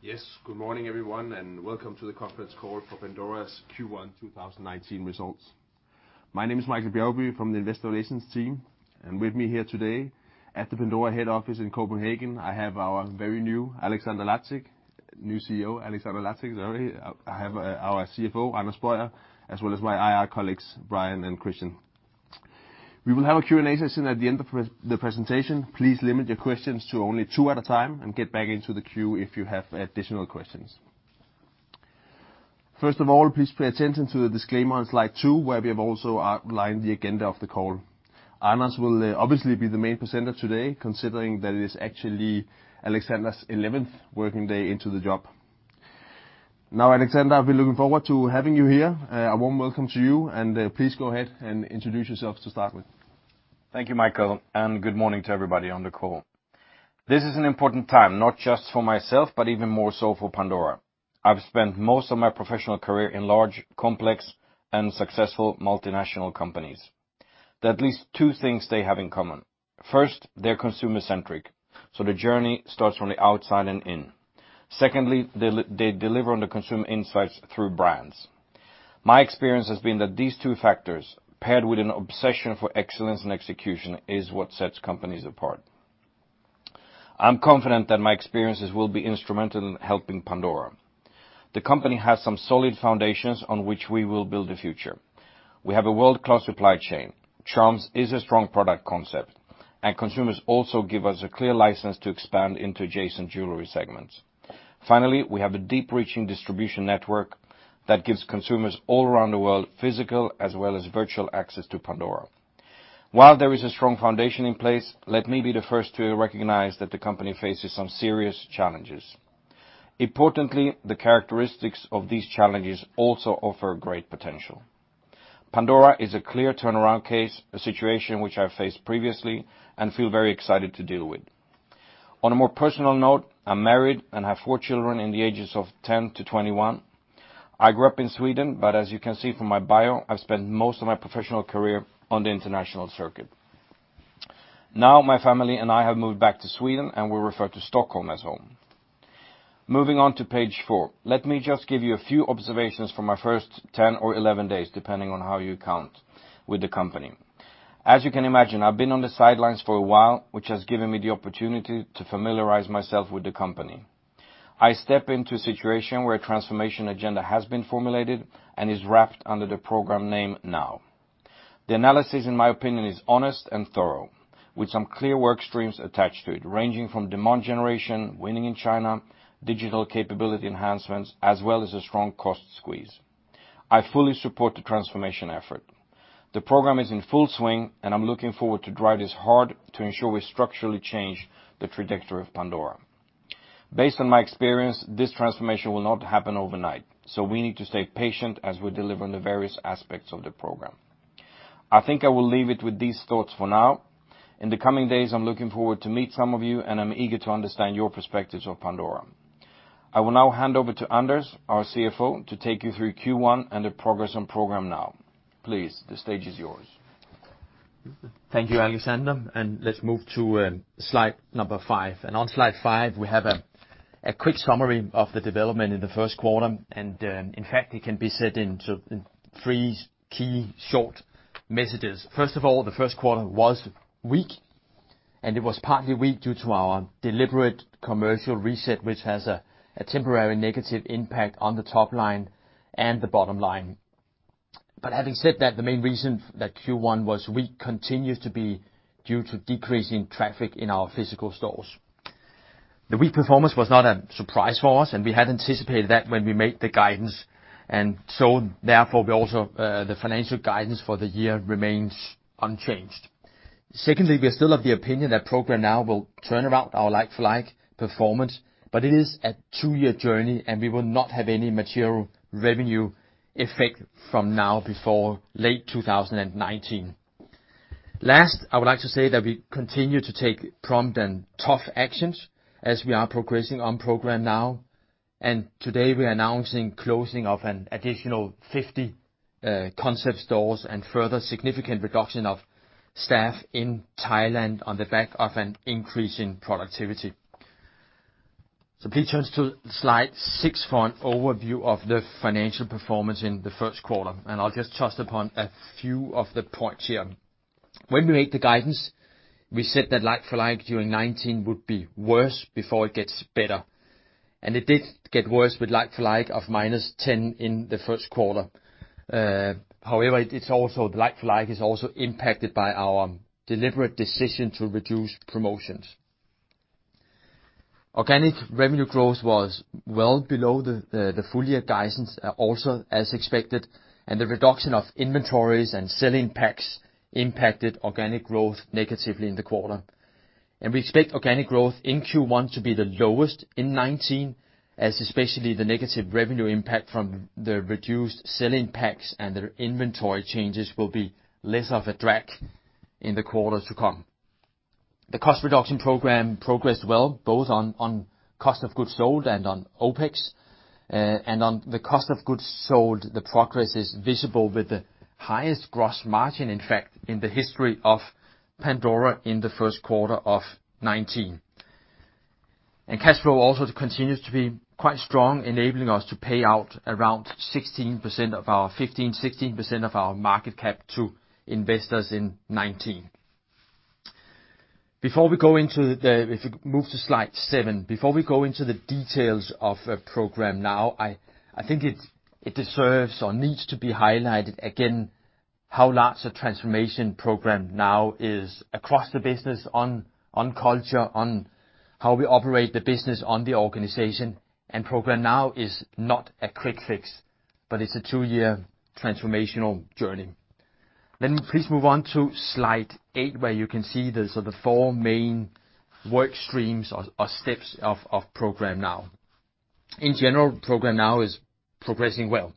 Yes, good morning, everyone, and welcome to the conference call for Pandora's Q1 2019 results. My name is Michael Bjergby from the Investor Relations team, and with me here today at the Pandora head office in Copenhagen, I have our very new Alexander Lacik, new CEO, Alexander Lacik. Sorry, I have our CFO, Anders Boyer, as well as my IR colleagues, Brian and Christian. We will have a Q&A session at the end of the presentation. Please limit your questions to only two at a time and get back into the queue if you have additional questions. First of all, please pay attention to the disclaimer on slide two, where we have also outlined the agenda of the call. Anders will obviously be the main presenter today, considering that it is actually Alexander's eleventh working day into the job. Now, Alexander, I've been looking forward to having you here. A warm welcome to you, and please go ahead and introduce yourself to start with. Thank you, Michael, and good morning to everybody on the call. This is an important time, not just for myself, but even more so for Pandora. I've spent most of my professional career in large, complex and successful multinational companies. There are at least two things they have in common. First, they're consumer-centric, so the journey starts from the outside and in. Secondly, they deliver on the consumer insights through brands. My experience has been that these two factors, paired with an obsession for excellence and execution, is what sets companies apart. I'm confident that my experiences will be instrumental in helping Pandora. The company has some solid foundations on which we will build the future. We have a world-class supply chain, charms is a strong product concept, and consumers also give us a clear license to expand into adjacent jewelry segments. Finally, we have a deep-reaching distribution network that gives consumers all around the world physical as well as virtual access to Pandora. While there is a strong foundation in place, let me be the first to recognize that the company faces some serious challenges. Importantly, the characteristics of these challenges also offer great potential. Pandora is a clear turnaround case, a situation which I've faced previously and feel very excited to deal with. On a more personal note, I'm married and have four children in the ages of 10-21. I grew up in Sweden, but as you can see from my bio, I've spent most of my professional career on the international circuit. Now, my family and I have moved back to Sweden, and we refer to Stockholm as home. Moving on to page 4. Let me just give you a few observations from my first 10 or 11 days, depending on how you count with the company. As you can imagine, I've been on the sidelines for a while, which has given me the opportunity to familiarize myself with the company. I step into a situation where a transformation agenda has been formulated and is wrapped under the program name NOW. The analysis, in my opinion, is honest and thorough, with some clear work streams attached to it, ranging from demand generation, winning in China, digital capability enhancements, as well as a strong cost squeeze. I fully support the transformation effort. The program is in full swing, and I'm looking forward to drive this hard to ensure we structurally change the trajectory of Pandora. Based on my experience, this transformation will not happen overnight, so we need to stay patient as we deliver on the various aspects of the program. I think I will leave it with these thoughts for now. In the coming days, I'm looking forward to meet some of you, and I'm eager to understand your perspectives of Pandora. I will now hand over to Anders, our CFO, to take you through Q1 and the progress on Programme NOW. Please, the stage is yours. Thank you, Alexander, and let's move to slide number five. On slide five, we have a quick summary of the development in the Q1, and in fact, it can be said in sort of in three key short messages. First of all, the Q1 was weak, and it was partly weak due to our deliberate commercial reset, which has a temporary negative impact on the top line and the bottom line. But having said that, the main reason that Q1 was weak continues to be due to decreasing traffic in our physical stores. The weak performance was not a surprise for us, and we had anticipated that when we made the guidance, and so therefore, we also the financial guidance for the year remains unchanged. Secondly, we are still of the opinion that Programme NOW will turn around our like-for-like performance, but it is a two-year journey, and we will not have any material revenue effect from now before late 2019. Last, I would like to say that we continue to take prompt and tough actions as we are progressing on Programme NOW, and today we are announcing closing of an additional 50 concept stores and further significant reduction of staff in Thailand on the back of an increase in productivity. So please turn to slide 6 for an overview of the financial performance in the Q1, and I'll just touch upon a few of the points here. When we made the guidance, we said that like-for-like during 2019 would be worse before it gets better, and it did get worse with like-for-like of -10 in the Q1. However, it's also the like-for-like is also impacted by our deliberate decision to reduce promotions. Organic revenue growth was well below the full year guidance, also as expected, and the reduction of inventories and sell-in packs impacted organic growth negatively in the quarter. And we expect organic growth in Q1 to be the lowest in 2019, as especially the negative revenue impact from the reduced sell-in packs and the inventory changes will be less of a drag in the quarters to come. The cost reduction program progressed well, both on cost of goods sold and on OpEx. And on the cost of goods sold, the progress is visible with the highest gross margin, in fact, in the history of Pandora in the Q1 of 2019. Cash flow also continues to be quite strong, enabling us to pay out around 16% of our—15%-16% of our market cap to investors in 2019. Before we go into the, if you move to slide 7, before we go into the details of Programme NOW, I think it deserves or needs to be highlighted again, how large a transformation Programme NOW is across the business on culture, on how we operate the business, on the organization, and Programme NOW is not a quick fix, but it's a two-year transformational journey. Please move on to slide 8, where you can see these are the four main work streams or steps of Programme NOW. In general, Programme NOW is progressing well.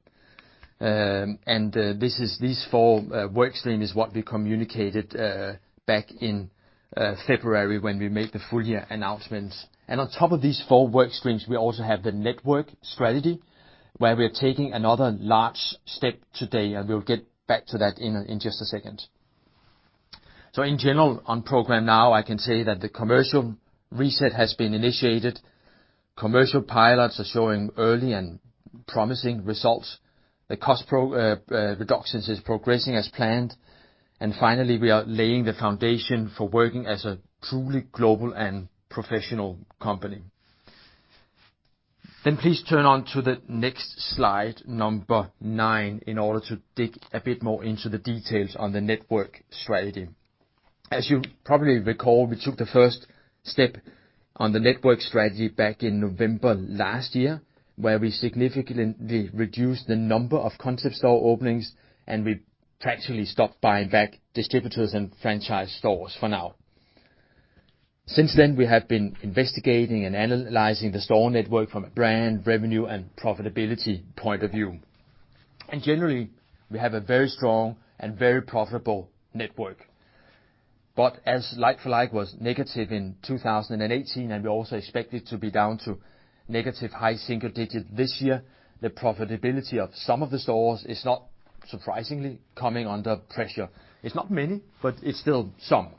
These four work streams are what we communicated back in February when we made the full year announcements. On top of these four work streams, we also have the network strategy, where we are taking another large step today, and we'll get back to that in just a second. So in general, on Programme NOW, I can say that the commercial reset has been initiated, commercial pilots are showing early and promising results. The cost program reductions are progressing as planned, and finally, we are laying the foundation for working as a truly global and professional company. Then please turn to the next slide, number 9, in order to dig a bit more into the details on the network strategy. As you probably recall, we took the first step on the network strategy back in November last year, where we significantly reduced the number of concept store openings, and we practically stopped buying back distributors and franchise stores for now. Since then, we have been investigating and analyzing the store network from a brand, revenue, and profitability point of view. Generally, we have a very strong and very profitable network. But as like-for-like was negative in 2018, and we also expect it to be down to negative high single digit this year, the profitability of some of the stores is not surprisingly coming under pressure. It's not many, but it's still some.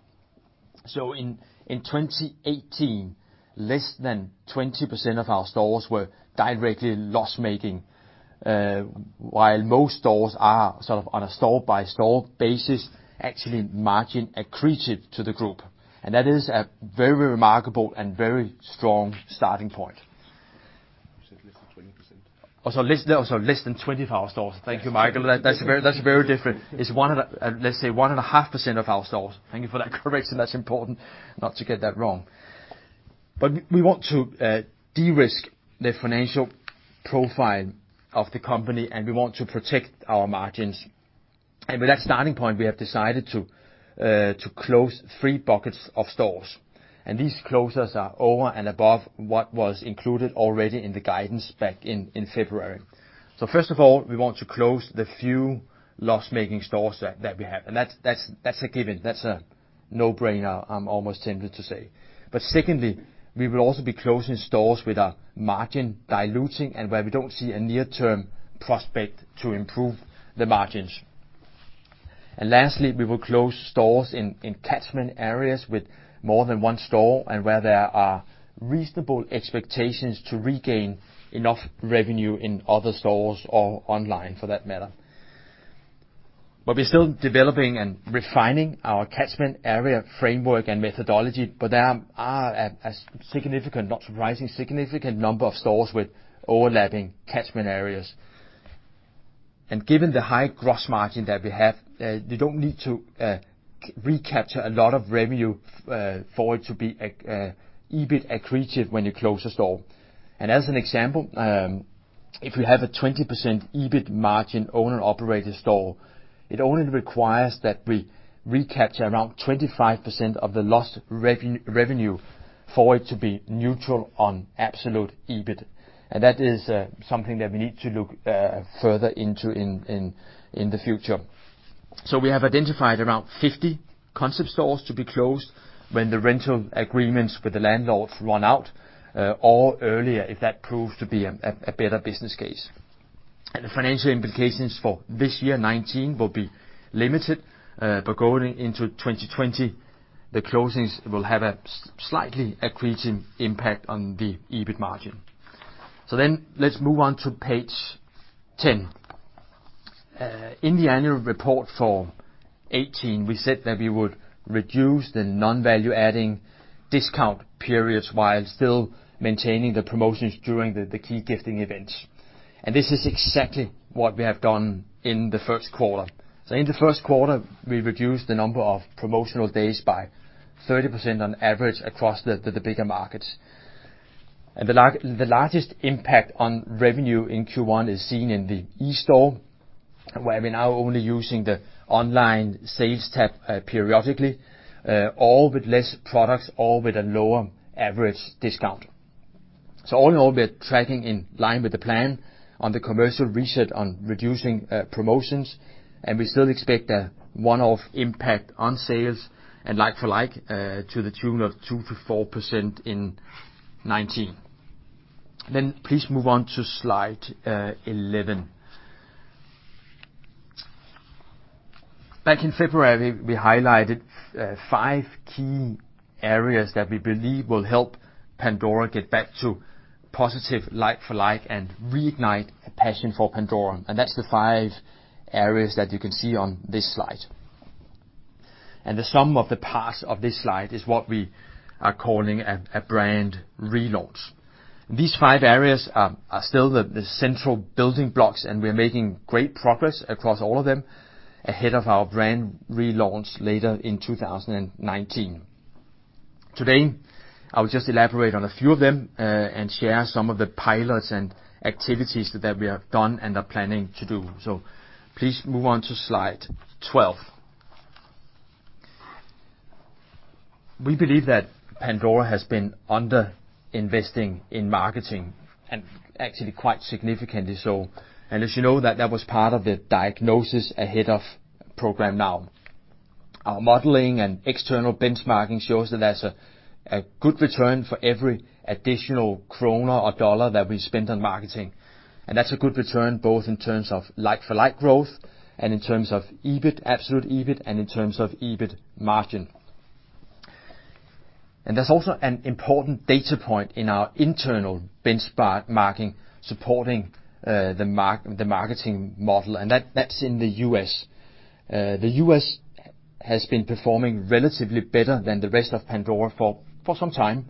So in 2018, less than 20% of our stores were directly loss-making, while most stores are sort of on a store-by-store basis, actually margin accretive to the group, and that is a very remarkable and very strong starting point. Oh, so less, so less than 20 of our stores. Thank you, Michael. That's very, that's very different. It's one and a, let's say, 1.5% of our stores. Thank you for that correction. That's important not to get that wrong. But we, we want to de-risk the financial profile of the company, and we want to protect our margins. And with that starting point, we have decided to close three buckets of stores, and these closures are over and above what was included already in the guidance back in February. So first of all, we want to close the few loss-making stores that we have. And that's, that's a given. That's a no-brainer, I'm almost tempted to say. But secondly, we will also be closing stores with a margin diluting and where we don't see a near-term prospect to improve the margins. And lastly, we will close stores in catchment areas with more than one store and where there are reasonable expectations to regain enough revenue in other stores or online, for that matter. But we're still developing and refining our catchment area framework and methodology, but there are a significant, not surprising, significant number of stores with overlapping catchment areas. And given the high gross margin that we have, you don't need to recapture a lot of revenue for it to be a EBIT accretive when you close a store. As an example, if you have a 20% EBIT margin owner-operated store, it only requires that we recapture around 25% of the lost revenue for it to be neutral on absolute EBIT. And that is something that we need to look further into in the future. So we have identified around 50 concept stores to be closed when the rental agreements with the landlords run out, or earlier, if that proves to be a better business case. And the financial implications for this year, 2019, will be limited, but going into 2020, the closings will have a slightly accretive impact on the EBIT margin. So then let's move on to page ten. In the annual report for 2018, we said that we would reduce the non-value-adding discount periods while still maintaining the promotions during the key gifting events. And this is exactly what we have done in the Q1. So in the Q1, we reduced the number of promotional days by 30% on average across the bigger markets. And the largest impact on revenue in Q1 is seen in the eStore, where we're now only using the online sales tab periodically, all with less products, all with a lower average discount. So all in all, we are tracking in line with the plan on the commercial reset on reducing promotions, and we still expect a one-off impact on sales and like-for-like to the tune of 2%-4% in 2019. Then please move on to slide 11. Back in February, we highlighted five key areas that we believe will help Pandora get back to positive like-for-like and reignite a passion for Pandora, and that's the five areas that you can see on this slide. The sum of the parts of this slide is what we are calling a brand relaunch. These five areas are still the central building blocks, and we're making great progress across all of them ahead of our brand relaunch later in 2019. Today, I will just elaborate on a few of them, and share some of the pilots and activities that we have done and are planning to do. Please move on to slide 12. We believe that Pandora has been under-investing in marketing, and actually quite significantly so. As you know, that was part of the diagnosis ahead of Programme NOW. Our modeling and external benchmarking shows that there's a good return for every additional kroner or dollar that we spend on marketing, and that's a good return, both in terms of like-for-like growth and in terms of EBIT, absolute EBIT, and in terms of EBIT margin. There's also an important data point in our internal benchmarking, supporting the marketing model, and that's in the U.S. The U.S. has been performing relatively better than the rest of Pandora for some time,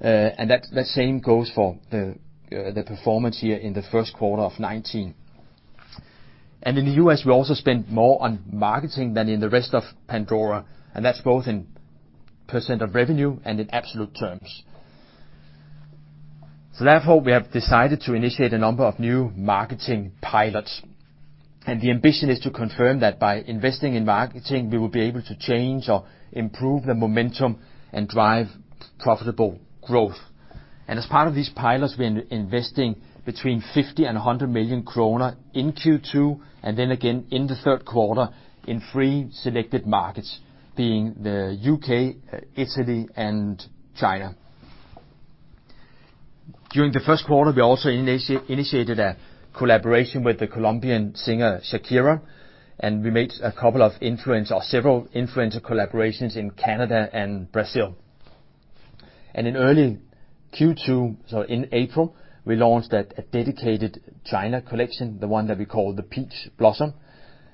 and that same goes for the performance here in the Q1 of 2019. In the U.S., we also spend more on marketing than in the rest of Pandora, and that's both in percent of revenue and in absolute terms. So therefore, we have decided to initiate a number of new marketing pilots, and the ambition is to confirm that by investing in marketing, we will be able to change or improve the momentum and drive profitable growth. As part of these pilots, we're investing between 50 million and 100 million kroner in Q2, and then again in the Q3 in three selected markets, being the UK, Italy, and China. During the Q1, we also initiated a collaboration with the Colombian singer Shakira, and we made a couple of influencer collaborations in Canada and Brazil. In early Q2, so in April, we launched a dedicated China collection, the one that we call the Peach Blossom,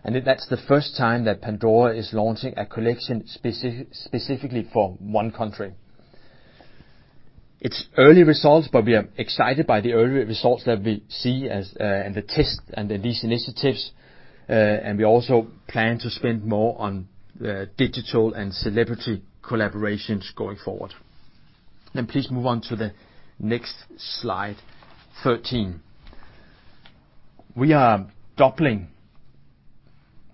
and that's the first time that Pandora is launching a collection specifically for one country. It's early results, but we are excited by the early results that we see as, and the test and these initiatives, and we also plan to spend more on, digital and celebrity collaborations going forward. Then please move on to the next slide, 13. We are doubling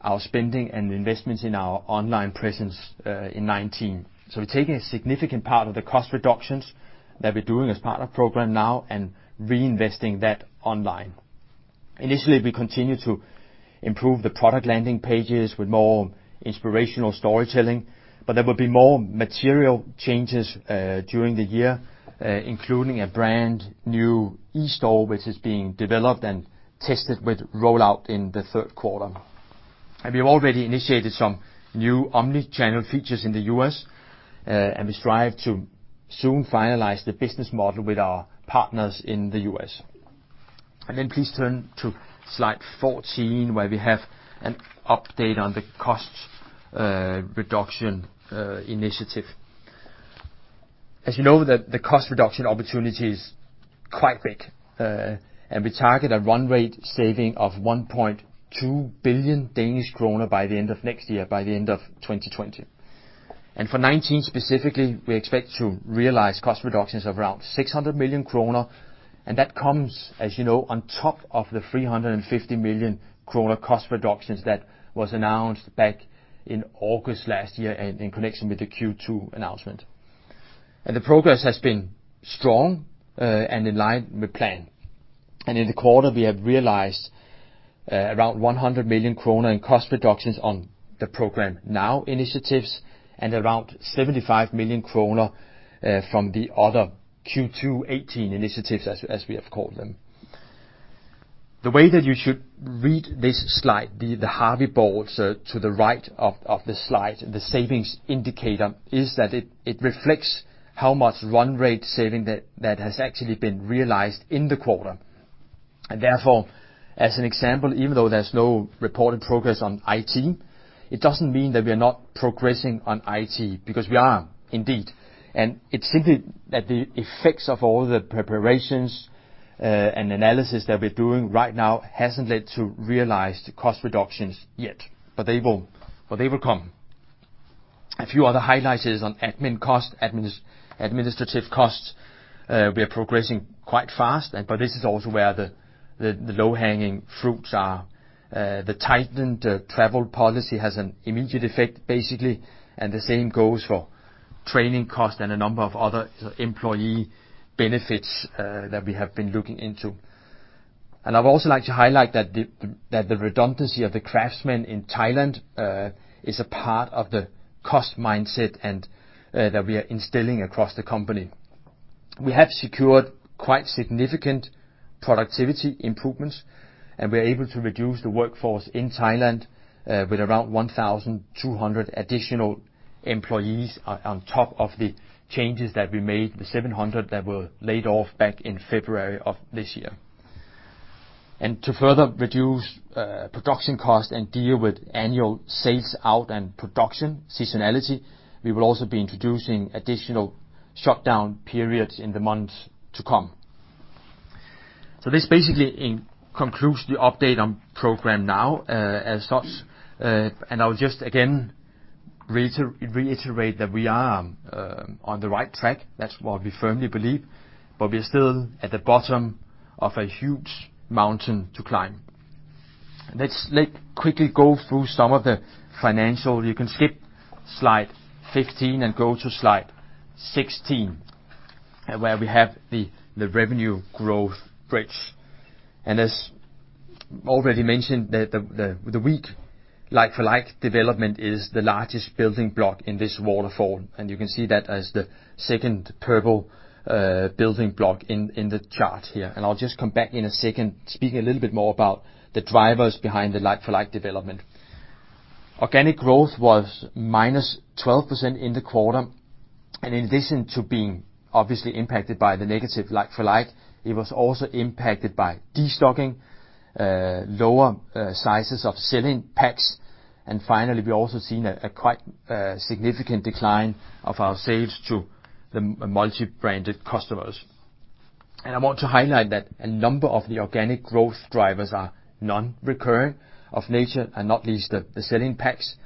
our spending and investments in our online presence, in 2019. So we're taking a significant part of the cost reductions that we're doing as part of Programme NOW and reinvesting that online. Initially, we continue to improve the product landing pages with more inspirational storytelling, but there will be more material changes, during the year, including a brand new eStore, which is being developed and tested with rollout in the Q3. We've already initiated some new omni-channel features in the U.S., and we strive to soon finalize the business model with our partners in the U.S. Then please turn to slide 14, where we have an update on the cost reduction initiative. As you know, the cost reduction opportunity is quite big, and we target a run rate saving of 1.2 billion Danish kroner by the end of next year, by the end of 2020. For 2019, specifically, we expect to realize cost reductions of around 600 million kroner, and that comes, as you know, on top of the 350 million kroner cost reductions that was announced back in August last year and in connection with the Q2 announcement. The progress has been strong, and in line with plan. In the quarter, we have realized around 100 million kroner in cost reductions on the Programme NOW initiatives and around 75 million kroner from the other Q2 2018 initiatives, as we have called them. The way that you should read this slide, the hard yards to the right of the slide, the savings indicator, is that it reflects how much run-rate saving that has actually been realized in the quarter. And therefore, as an example, even though there's no reported progress on IT, it doesn't mean that we are not progressing on IT, because we are indeed, and it's simply that the effects of all the preparations and analysis that we're doing right now hasn't led to realized cost reductions yet, but they will, but they will come. A few other highlights is on admin cost, administrative costs. We are progressing quite fast, and but this is also where the low-hanging fruits are. The tightened travel policy has an immediate effect, basically, and the same goes for training costs and a number of other employee benefits that we have been looking into. And I'd also like to highlight that the redundancy of the craftsmen in Thailand is a part of the cost mindset, and that we are instilling across the company. We have secured quite significant productivity improvements, and we are able to reduce the workforce in Thailand with around 1,200 additional employees on top of the changes that we made, the 700 that were laid off back in February of this year. To further reduce production costs and deal with annual sell-out and production seasonality, we will also be introducing additional shutdown periods in the months to come. So this basically concludes the update on Programme NOW, as such. And I'll just again reiterate that we are on the right track. That's what we firmly believe, but we're still at the bottom of a huge mountain to climb. Let's quickly go through some of the financial. You can skip slide 15 and go to slide 16, where we have the revenue growth bridge. And as already mentioned, the weak like-for-like development is the largest building block in this waterfall, and you can see that as the second purple building block in the chart here. And I'll just come back in a second, speak a little bit more about the drivers behind the like-for-like development. Organic growth was -12% in the quarter, and in addition to being obviously impacted by the negative like-for-like, it was also impacted by destocking, lower sizes of sell-in packs. And finally, we also seen a quite significant decline of our sales to the multi-branded customers. And I want to highlight that a number of the organic growth drivers are non-recurring of nature, and not least the sell-in packs.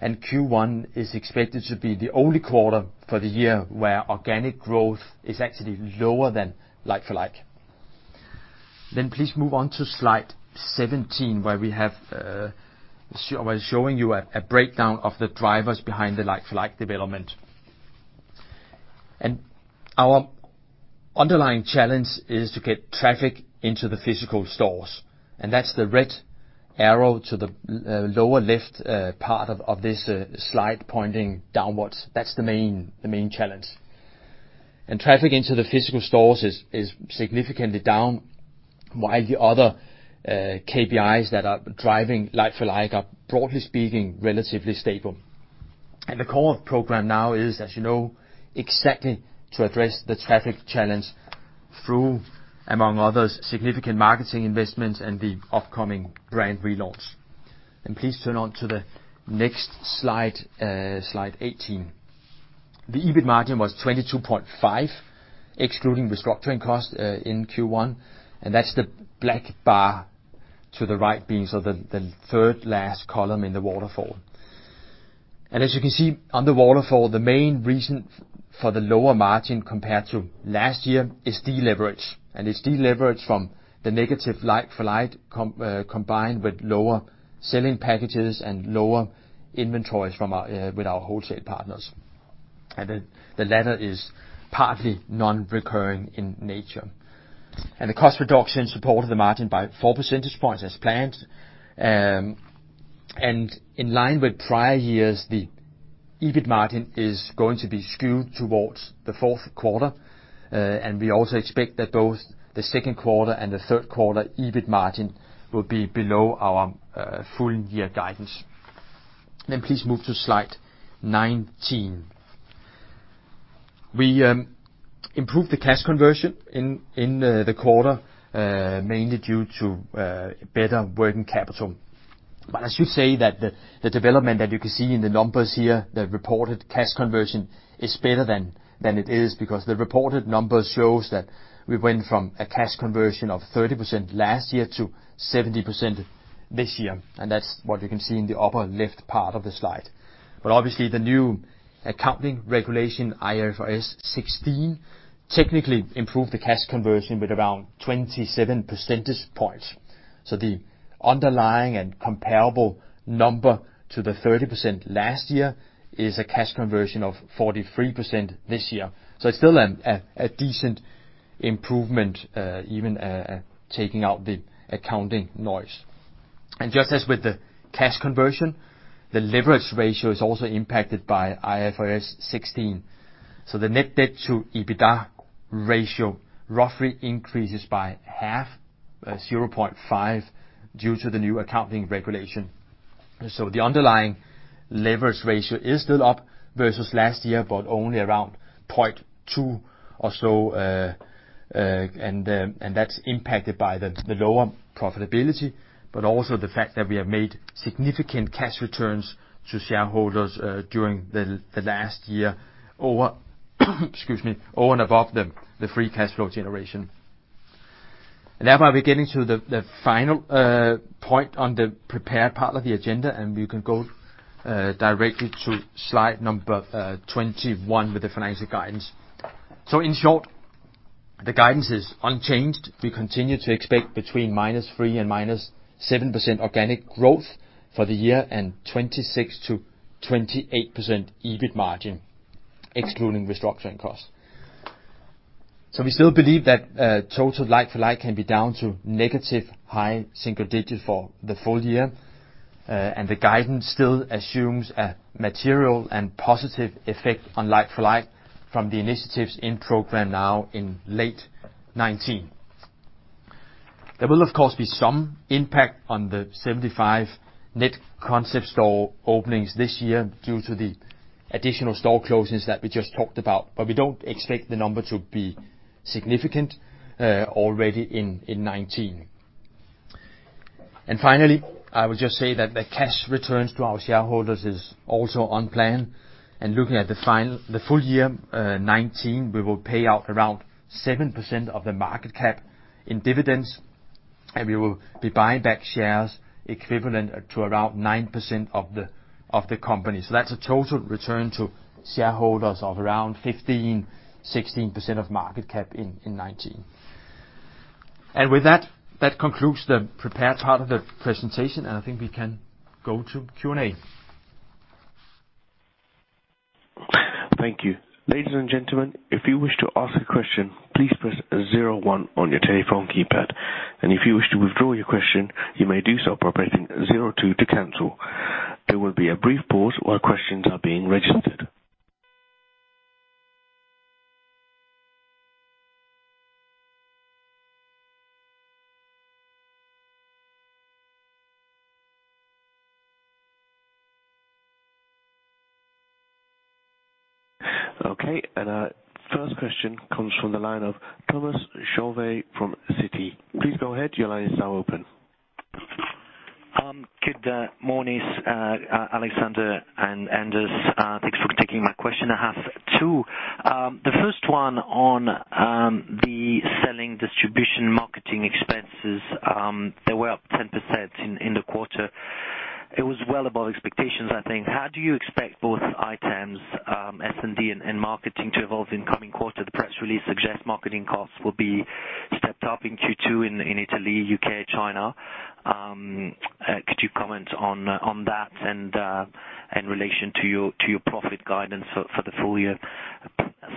And Q1 is expected to be the only quarter for the year where organic growth is actually lower than like-for-like. Then please move on to slide 17, where we have showing you a breakdown of the drivers behind the like-for-like development. Our underlying challenge is to get traffic into the physical stores, and that's the red arrow to the lower left part of this slide pointing downwards. That's the main challenge. Traffic into the physical stores is significantly down, while the other KPIs that are driving like-for-like are, broadly speaking, relatively stable. The core of Programme NOW is, as you know, exactly to address the traffic challenge through, among others, significant marketing investments and the upcoming brand relaunch. Please turn to the next slide, slide 18. The EBIT margin was 22.5%, excluding restructuring costs, in Q1, and that's the black bar to the right, being so the third-last column in the waterfall. As you can see on the waterfall, the main reason for the lower margin compared to last year is deleverage, and it's deleverage from the negative like-for-like combined with lower sell-in packages and lower inventories with our wholesale partners. And the latter is partly non-recurring in nature. And the cost reduction supported the margin by 4 percentage points as planned. And in line with prior years, the EBIT margin is going to be skewed towards the Q4, and we also expect that both the Q2 and the Q3 EBIT margin will be below our full year guidance. Then please move to slide 19. We improved the cash conversion in the quarter, mainly due to better working capital. But I should say that the development that you can see in the numbers here, the reported cash conversion, is better than it is, because the reported numbers shows that we went from a cash conversion of 30% last year to 70% this year, and that's what you can see in the upper left part of the slide. But obviously, the new accounting regulation, IFRS 16, technically improved the cash conversion with around 27 percentage points. So the underlying and comparable number to the 30% last year is a cash conversion of 43% this year. So it's still a decent improvement, even taking out the accounting noise. And just as with the cash conversion, the leverage ratio is also impacted by IFRS 16. The net debt to EBITDA ratio roughly increases by 0.5, due to the new accounting regulation. The underlying leverage ratio is still up versus last year, but only around 0.2 or so, and that's impacted by the lower profitability, but also the fact that we have made significant cash returns to shareholders during the last year over, excuse me, over and above the free cash flow generation. And thereby, we're getting to the final point on the prepared part of the agenda, and we can go directly to slide number 21 with the financial guidance. So in short, the guidance is unchanged. We continue to expect between -3% and -7% organic growth for the year, and 26%-28% EBIT margin excluding restructuring costs. So we still believe that total like-for-like can be down to negative high single digits for the full year. And the guidance still assumes a material and positive effect on like-for-like from the initiatives in Programme NOW in late 2019. There will, of course, be some impact on the 75 net concept store openings this year due to the additional store closures that we just talked about, but we don't expect the number to be significant already in 2019. And finally, I would just say that the cash returns to our shareholders is also on plan, and looking at the full year 2019, we will pay out around 7% of the market cap in dividends, and we will be buying back shares equivalent to around 9% of the, of the company. So that's a total return to shareholders of around 15%-16% of market cap in 2019. And with that, that concludes the prepared part of the presentation, and I think we can go to Q&A. Thank you. Ladies and gentlemen, if you wish to ask a question, please press zero one on your telephone keypad. If you wish to withdraw your question, you may do so by pressing zero two to cancel. There will be a brief pause while questions are being registered. Okay, our first question comes from the line of Thomas Chauvet from Citi. Please go ahead, your lines are open. Good morning, Alexander and Anders. Thanks for taking my question. I have two. The first one on the selling, distribution, marketing expenses, they were up 10% in the quarter. It was well above expectations, I think. How do you expect both items, S&D and marketing to evolve in coming quarters? The press release suggests marketing costs will be stepped up in Q2, in Italy, UK, China. Could you comment on that and in relation to your profit guidance for the full year?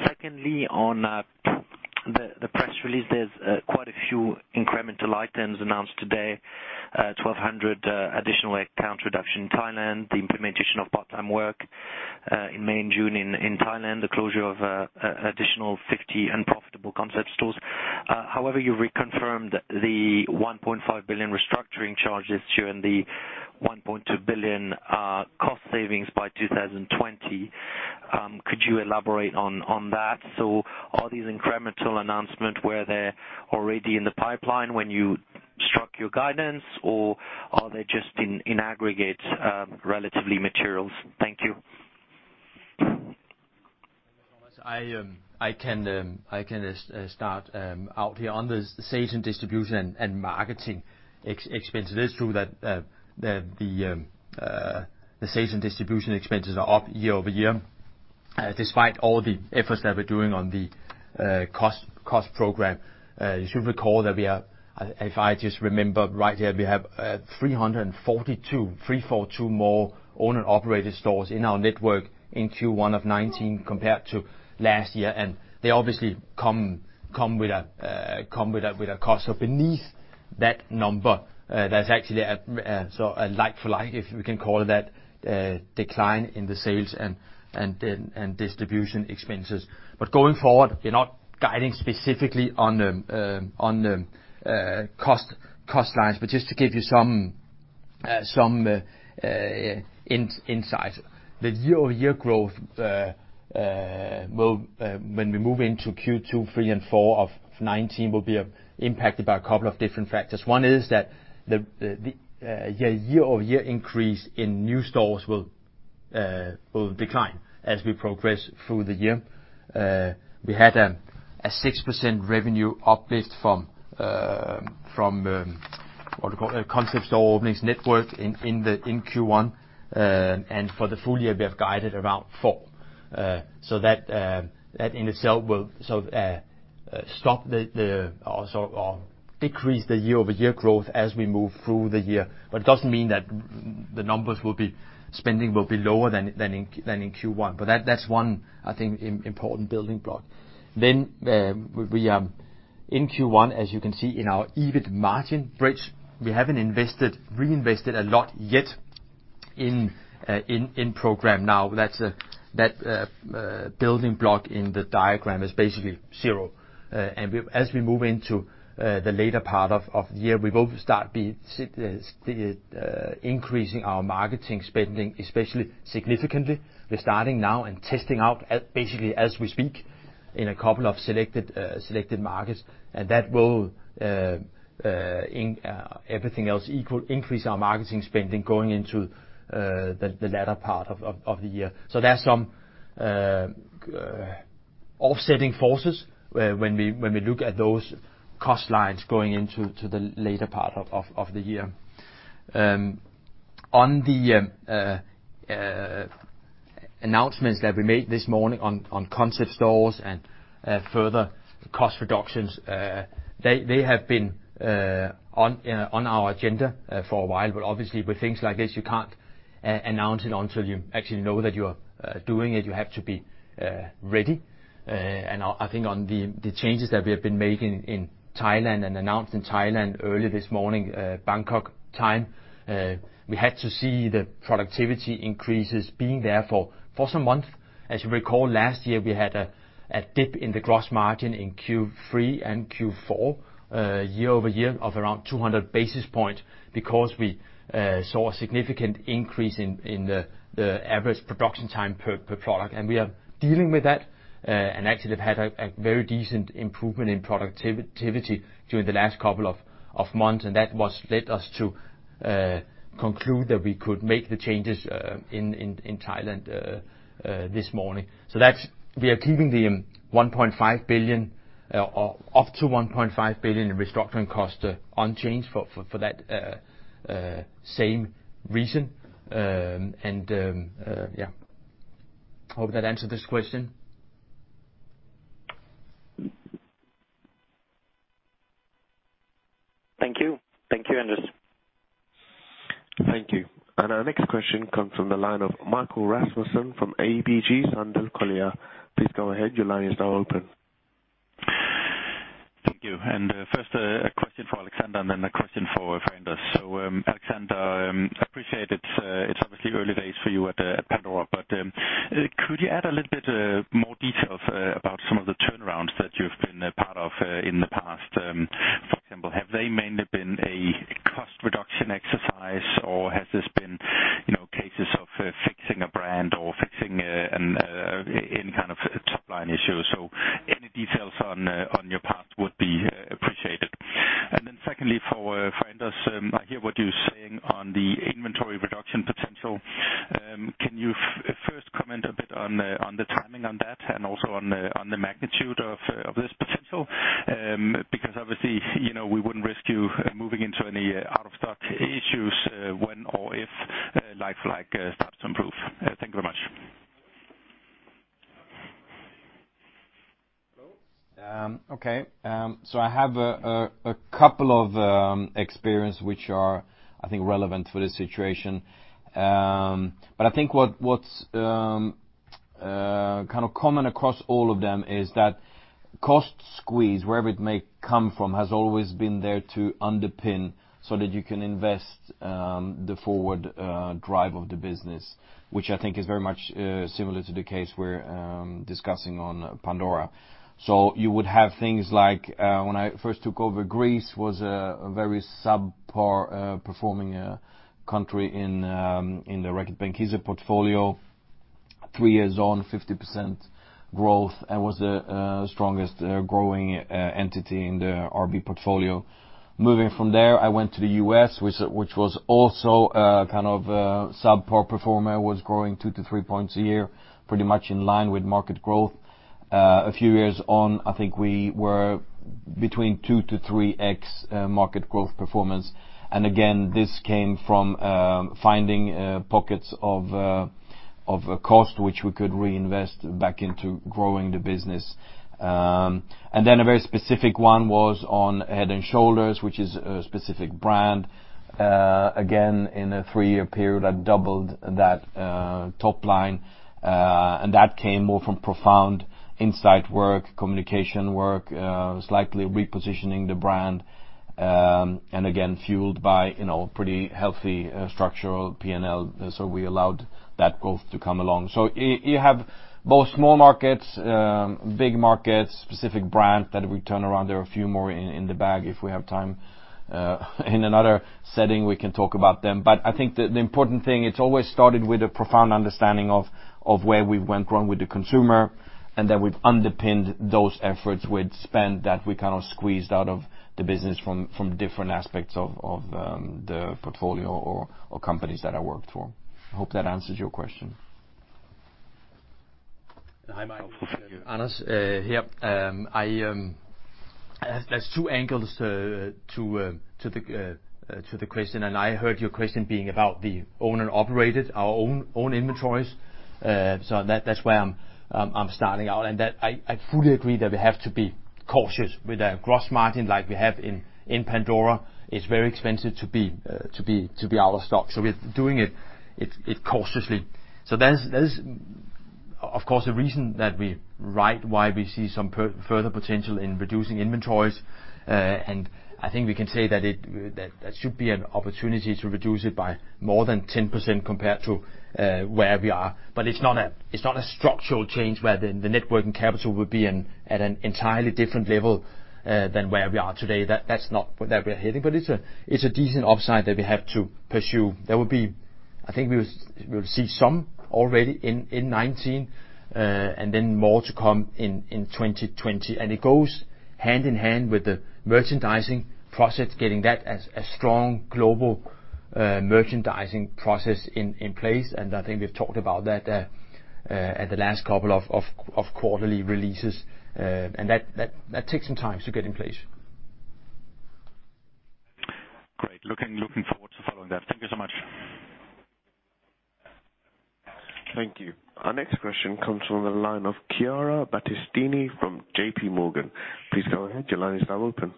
Secondly, on the press release, there's quite a few incremental items announced today. 1,200 additional account reduction in Thailand, the implementation of part-time work in May and June in Thailand, the closure of additional 50 unprofitable concept stores. However, you reconfirmed the 1.5 billion restructuring charges during the 1.2 billion cost savings by 2020. Could you elaborate on, on that? So are these incremental announcement, were they already in the pipeline when you struck your guidance, or are they just in, in aggregate, relatively materials? Thank you. I can start out here. On the sales and distribution and marketing expense, it is true that the sales and distribution expenses are up year-over-year, despite all the efforts that we're doing on the cost program. You should recall that we are... If I just remember right here, we have 342 more owner-operated stores in our network in Q1 of 2019 compared to last year, and they obviously come with a cost. So beneath that number, that's actually a like-for-like, if we can call it that, decline in the sales and distribution expenses. But going forward, we're not guiding specifically on the cost lines. But just to give you some insights. The year-over-year growth, when we move into Q2, Q3 and Q4 of 2019, will be impacted by a couple of different factors. One is that the year-over-year increase in new stores will decline as we progress through the year. We had a 6% revenue uplift from what do you call it? Concept store openings network in Q1. And for the full year, we have guided around 4. So that in itself will sort of stop the, or so, or decrease the year-over-year growth as we move through the year. But it doesn't mean that the numbers will be, spending will be lower than in Q1. But that's one, I think, important building block. Then, we are in Q1, as you can see in our EBIT margin bridge, we haven't reinvested a lot yet in Programme NOW. That's the building block in the diagram is basically zero. And as we move into the later part of the year, we will start increasing our marketing spending, especially significantly. We're starting now and testing out, basically as we speak, in a couple of selected markets, and that will, in everything else, increase our marketing spending going into the latter part of the year. So there are some offsetting forces when we look at those cost lines going into the later part of the year. On the announcements that we made this morning on concept stores and further cost reductions, they have been on our agenda for a while, but obviously, with things like this, you can't announce it until you actually know that you are doing it. You have to be ready. And I think on the changes that we have been making in Thailand and announced in Thailand early this morning, Bangkok time, we had to see the productivity increases being there for some months. As you recall, last year, we had a dip in the gross margin in Q3 and Q4, year-over-year of around 200 basis points because we saw a significant increase in the average production time per product, and we are dealing with that. Actually, have had a very decent improvement in productivity during the last couple of months, and that led us to conclude that we could make the changes in Thailand this morning. So we are keeping the 1.5 billion or up to 1.5 billion in restructuring costs unchanged for that same reason. Yeah, I hope that answered this question. Thank you. Thank you, Anders. Thank you. Our next question comes from the line of Michael Rasmussen from ABG Sundal Collier. Please go ahead. Your line is now open. Thank you. And first, a question for Alexander, and then a question for Anders. So, Alexander, appreciate it, it's obviously early days for you at Pandora, but could you add a little bit more detail about some of the turnarounds that you've been a part of in the past? For example, have they mainly been a cost reduction exercise, or has this been, you know, cases of fixing a brand or fixing any kind of top-line issue? So any details on your part would be appreciated. And then secondly, for Anders, I hear what you're saying on the inventory reduction potential. Can you first comment a bit on the timing on that and also on the magnitude of this potential? Because obviously, you know, we wouldn't risk you moving into any out-of-stock issues, when or if life, like, starts to improve. Thank you very much. Okay. So I have a couple of experience which are, I think, relevant for this situation. But I think what's kind of common across all of them is that cost squeeze, wherever it may come from, has always been there to underpin so that you can invest the forward drive of the business, which I think is very much similar to the case we're discussing on Pandora. So you would have things like when I first took over, Greece was a very subpar performing country in the Reckitt Benckiser portfolio. Three years on, 50% growth, and was the strongest growing entity in the RB portfolio. Moving from there, I went to the U.S., which was also a kind of a subpar performer, was growing 2-3 points a year, pretty much in line with market growth. A few years on, I think we were between 2-3x market growth performance, and again, this came from finding pockets of cost, which we could reinvest back into growing the business. And then a very specific one was on Head & Shoulders, which is a specific brand. Again, in a three-year period, I doubled that top line, and that came more from profound insight work, communication work, slightly repositioning the brand, and again, fueled by, you know, pretty healthy structural PNL. So we allowed that growth to come along. So you have both small markets, big markets, specific brand that we turn around. There are a few more in the bag. If we have time, in another setting, we can talk about them. But I think the important thing, it's always started with a profound understanding of where we went wrong with the consumer, and that we've underpinned those efforts with spend, that we kind of squeezed out of the business from different aspects of the portfolio or companies that I worked for. I hope that answers your question. Hi, my name is Anders here. There's two angles to the question, and I heard your question being about the owner-operated, our own inventories. So that's where I'm starting out, and I fully agree that we have to be cautious with our gross margin like we have in Pandora. It's very expensive to be out of stock, so we're doing it cautiously. So there's of course a reason that we're right why we see some further potential in reducing inventories. And I think we can say that that should be an opportunity to reduce it by more than 10% compared to where we are. But it's not a structural change where the net working capital would be in at an entirely different level than where we are today. That's not where we're heading, but it's a decent upside that we have to pursue. There will be. I think we'll see some already in 2019, and then more to come in 2020. And it goes hand in hand with the merchandising process, getting that as a strong global merchandising process in place. And I think we've talked about that at the last couple of quarterly releases, and that takes some time to get in place. Great. Looking forward to following that. Thank you so much. ... Thank you. Our next question comes from the line of Chiara Battistini from JP Morgan. Please go ahead, your line is now open.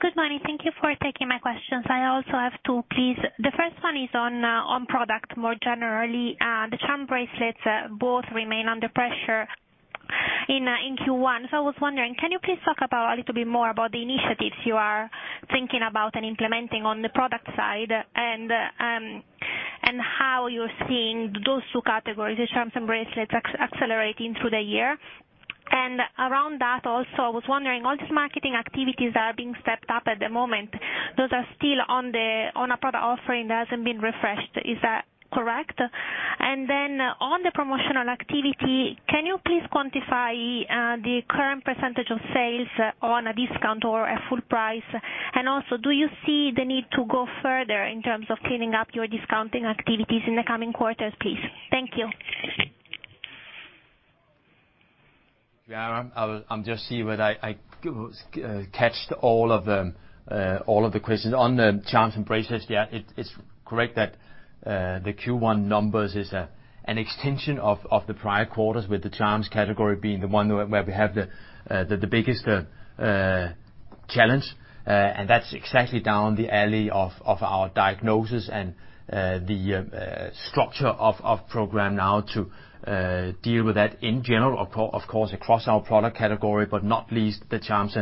Good morning. Thank you for taking my questions. I also have two, please. The first one is on product more generally. The charm bracelets both remain under pressure in Q1. So I was wondering, can you please talk about a little bit more about the initiatives you are thinking about and implementing on the product side? And how you're seeing those two categories, the charms and bracelets, accelerating through the year. And around that also, I was wondering, all these marketing activities are being stepped up at the moment, those are still on a product offering that hasn't been refreshed. Is that correct? And then on the promotional activity, can you please quantify the current percentage of sales on a discount or a full price? And also, do you see the need to go further in terms of cleaning up your discounting activities in the coming quarters, please? Thank you. Yeah, I'm just seeing whether I caught all of the questions. On the charms and bracelets, yeah, it's correct that the Q1 numbers is an extension of the prior quarters, with the charms category being the one where we have the biggest challenge. And that's exactly down the alley of our diagnosis and the structure of Programme NOW to deal with that in general, of course, across our product category, but not least the charms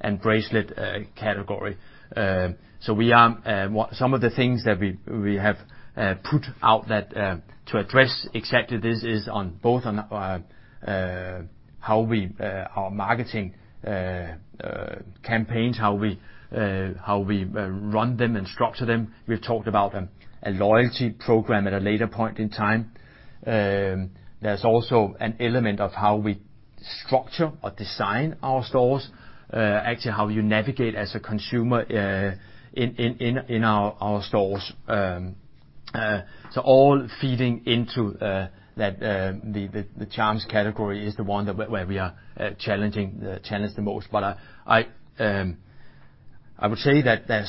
and bracelet category. We are, some of the things that we have put out to address exactly this is on both how we, our marketing campaigns, how we run them and structure them. We've talked about a loyalty program at a later point in time. There's also an element of how we structure or design our stores, actually how you navigate as a consumer in our stores. All feeding into that, the charms category is the one that, where we are challenged the most. I would say that,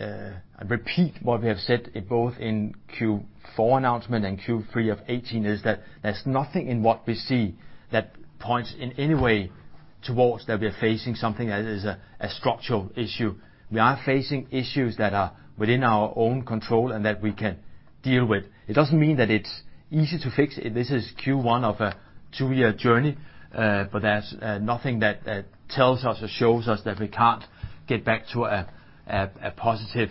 I repeat, what we have said in both in Q4 announcement and Q3 of 2018 is that there's nothing in what we see that points in any way towards that we're facing something that is a structural issue. We are facing issues that are within our own control and that we can deal with. It doesn't mean that it's easy to fix it. This is Q1 of a two-year journey, but there's nothing that tells us or shows us that we can't get back to a positive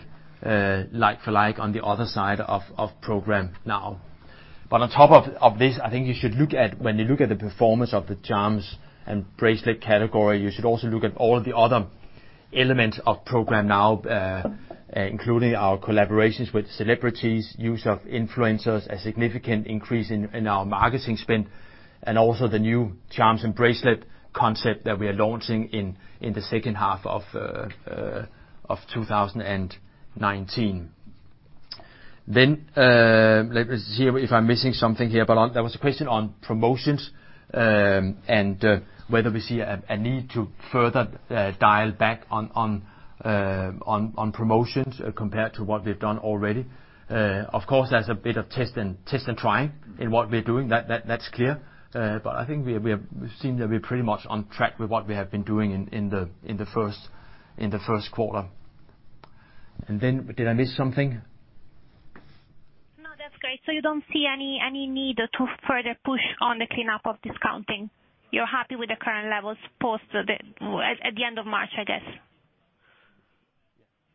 like for like on the other side of Programme NOW. But on top of this, I think you should look at, when you look at the performance of the charms and bracelet category, you should also look at all the other elements of Programme NOW, including our collaborations with celebrities, use of influencers, a significant increase in our marketing spend, and also the new charms and bracelet concept that we are launching in the second half of 2019. Then, let me see if I'm missing something here. But there was a question on promotions, and whether we see a need to further dial back on promotions compared to what we've done already. Of course, there's a bit of test and trying in what we're doing, that's clear. But I think we are, we have seen that we're pretty much on track with what we have been doing in the Q1. And then did I miss something? No, that's great. So you don't see any need to further push on the cleanup of discounting? You're happy with the current levels post the, at the end of March, I guess.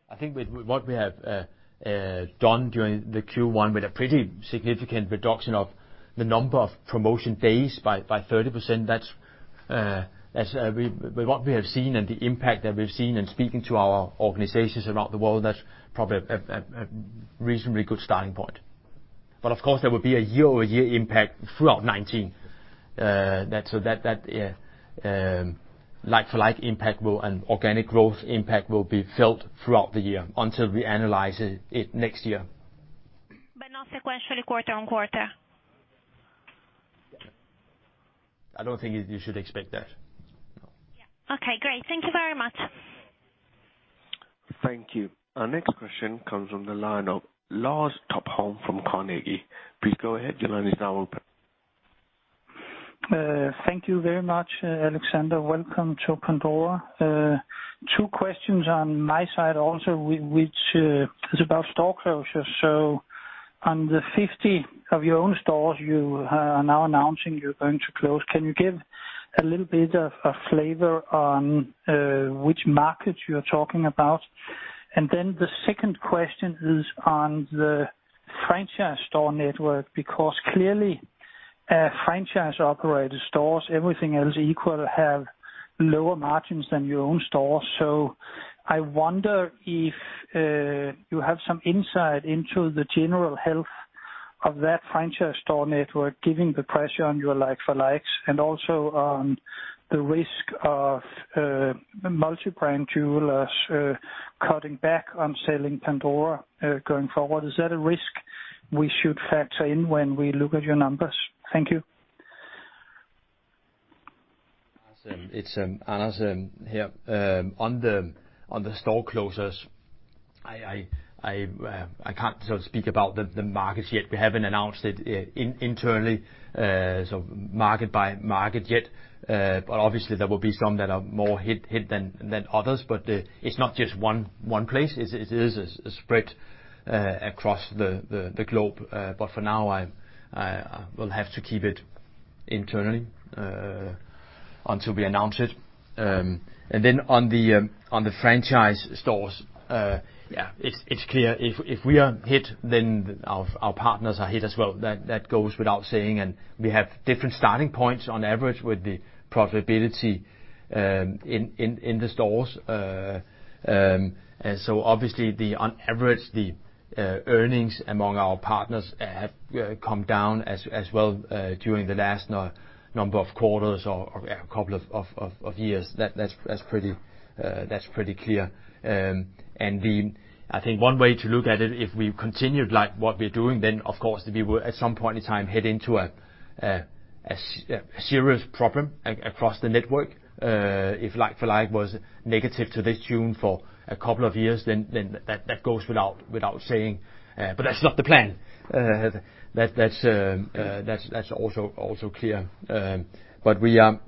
I think with what we have done during the Q1, with a pretty significant reduction of the number of promotion days by 30%, that's... With what we have seen and the impact that we've seen, and speaking to our organizations around the world, that's probably a reasonably good starting point. But of course, there will be a year-over-year impact throughout 2019. So that like for like impact and organic growth impact will be felt throughout the year until we analyze it next year. But not sequentially quarter-over-quarter? I don't think you should expect that. Yeah. Okay, great. Thank you very much. Thank you. Our next question comes from the line of Lars Topholm from Carnegie. Please go ahead, your line is now open. Thank you very much, Alexander. Welcome to Pandora. Two questions on my side also, which is about store closures. On the 50 of your own stores you are now announcing you're going to close, can you give a little bit of a flavor on which markets you're talking about? The second question is on the franchise store network, because clearly franchise-operated stores, everything else equal, have lower margins than your own stores. I wonder if you have some insight into the general health of that franchise store network, given the pressure on your like-for-likes, and also on the risk of multi-brand jewelers cutting back on selling Pandora going forward? Is that a risk we should factor in when we look at your numbers? Thank you.... It's Anders here. On the store closures, I can't sort of speak about the markets yet. We haven't announced it internally, so market by market yet. But obviously, there will be some that are more hit than others, but it's not just one place. It's a spread across the globe. But for now, I will have to keep it internally until we announce it. And then on the franchise stores, yeah, it's clear if we are hit, then our partners are hit as well. That goes without saying, and we have different starting points on average with the profitability in the stores. and so obviously, on average, the earnings among our partners have come down as well during the last number of quarters or a couple of years. That's pretty clear. I think one way to look at it, if we continued, like, what we're doing, then, of course, we will, at some point in time, head into a serious problem across the network. If like for like was negative to this tune for a couple of years, then that goes without saying, but that's not the plan. That's also clear. But we are...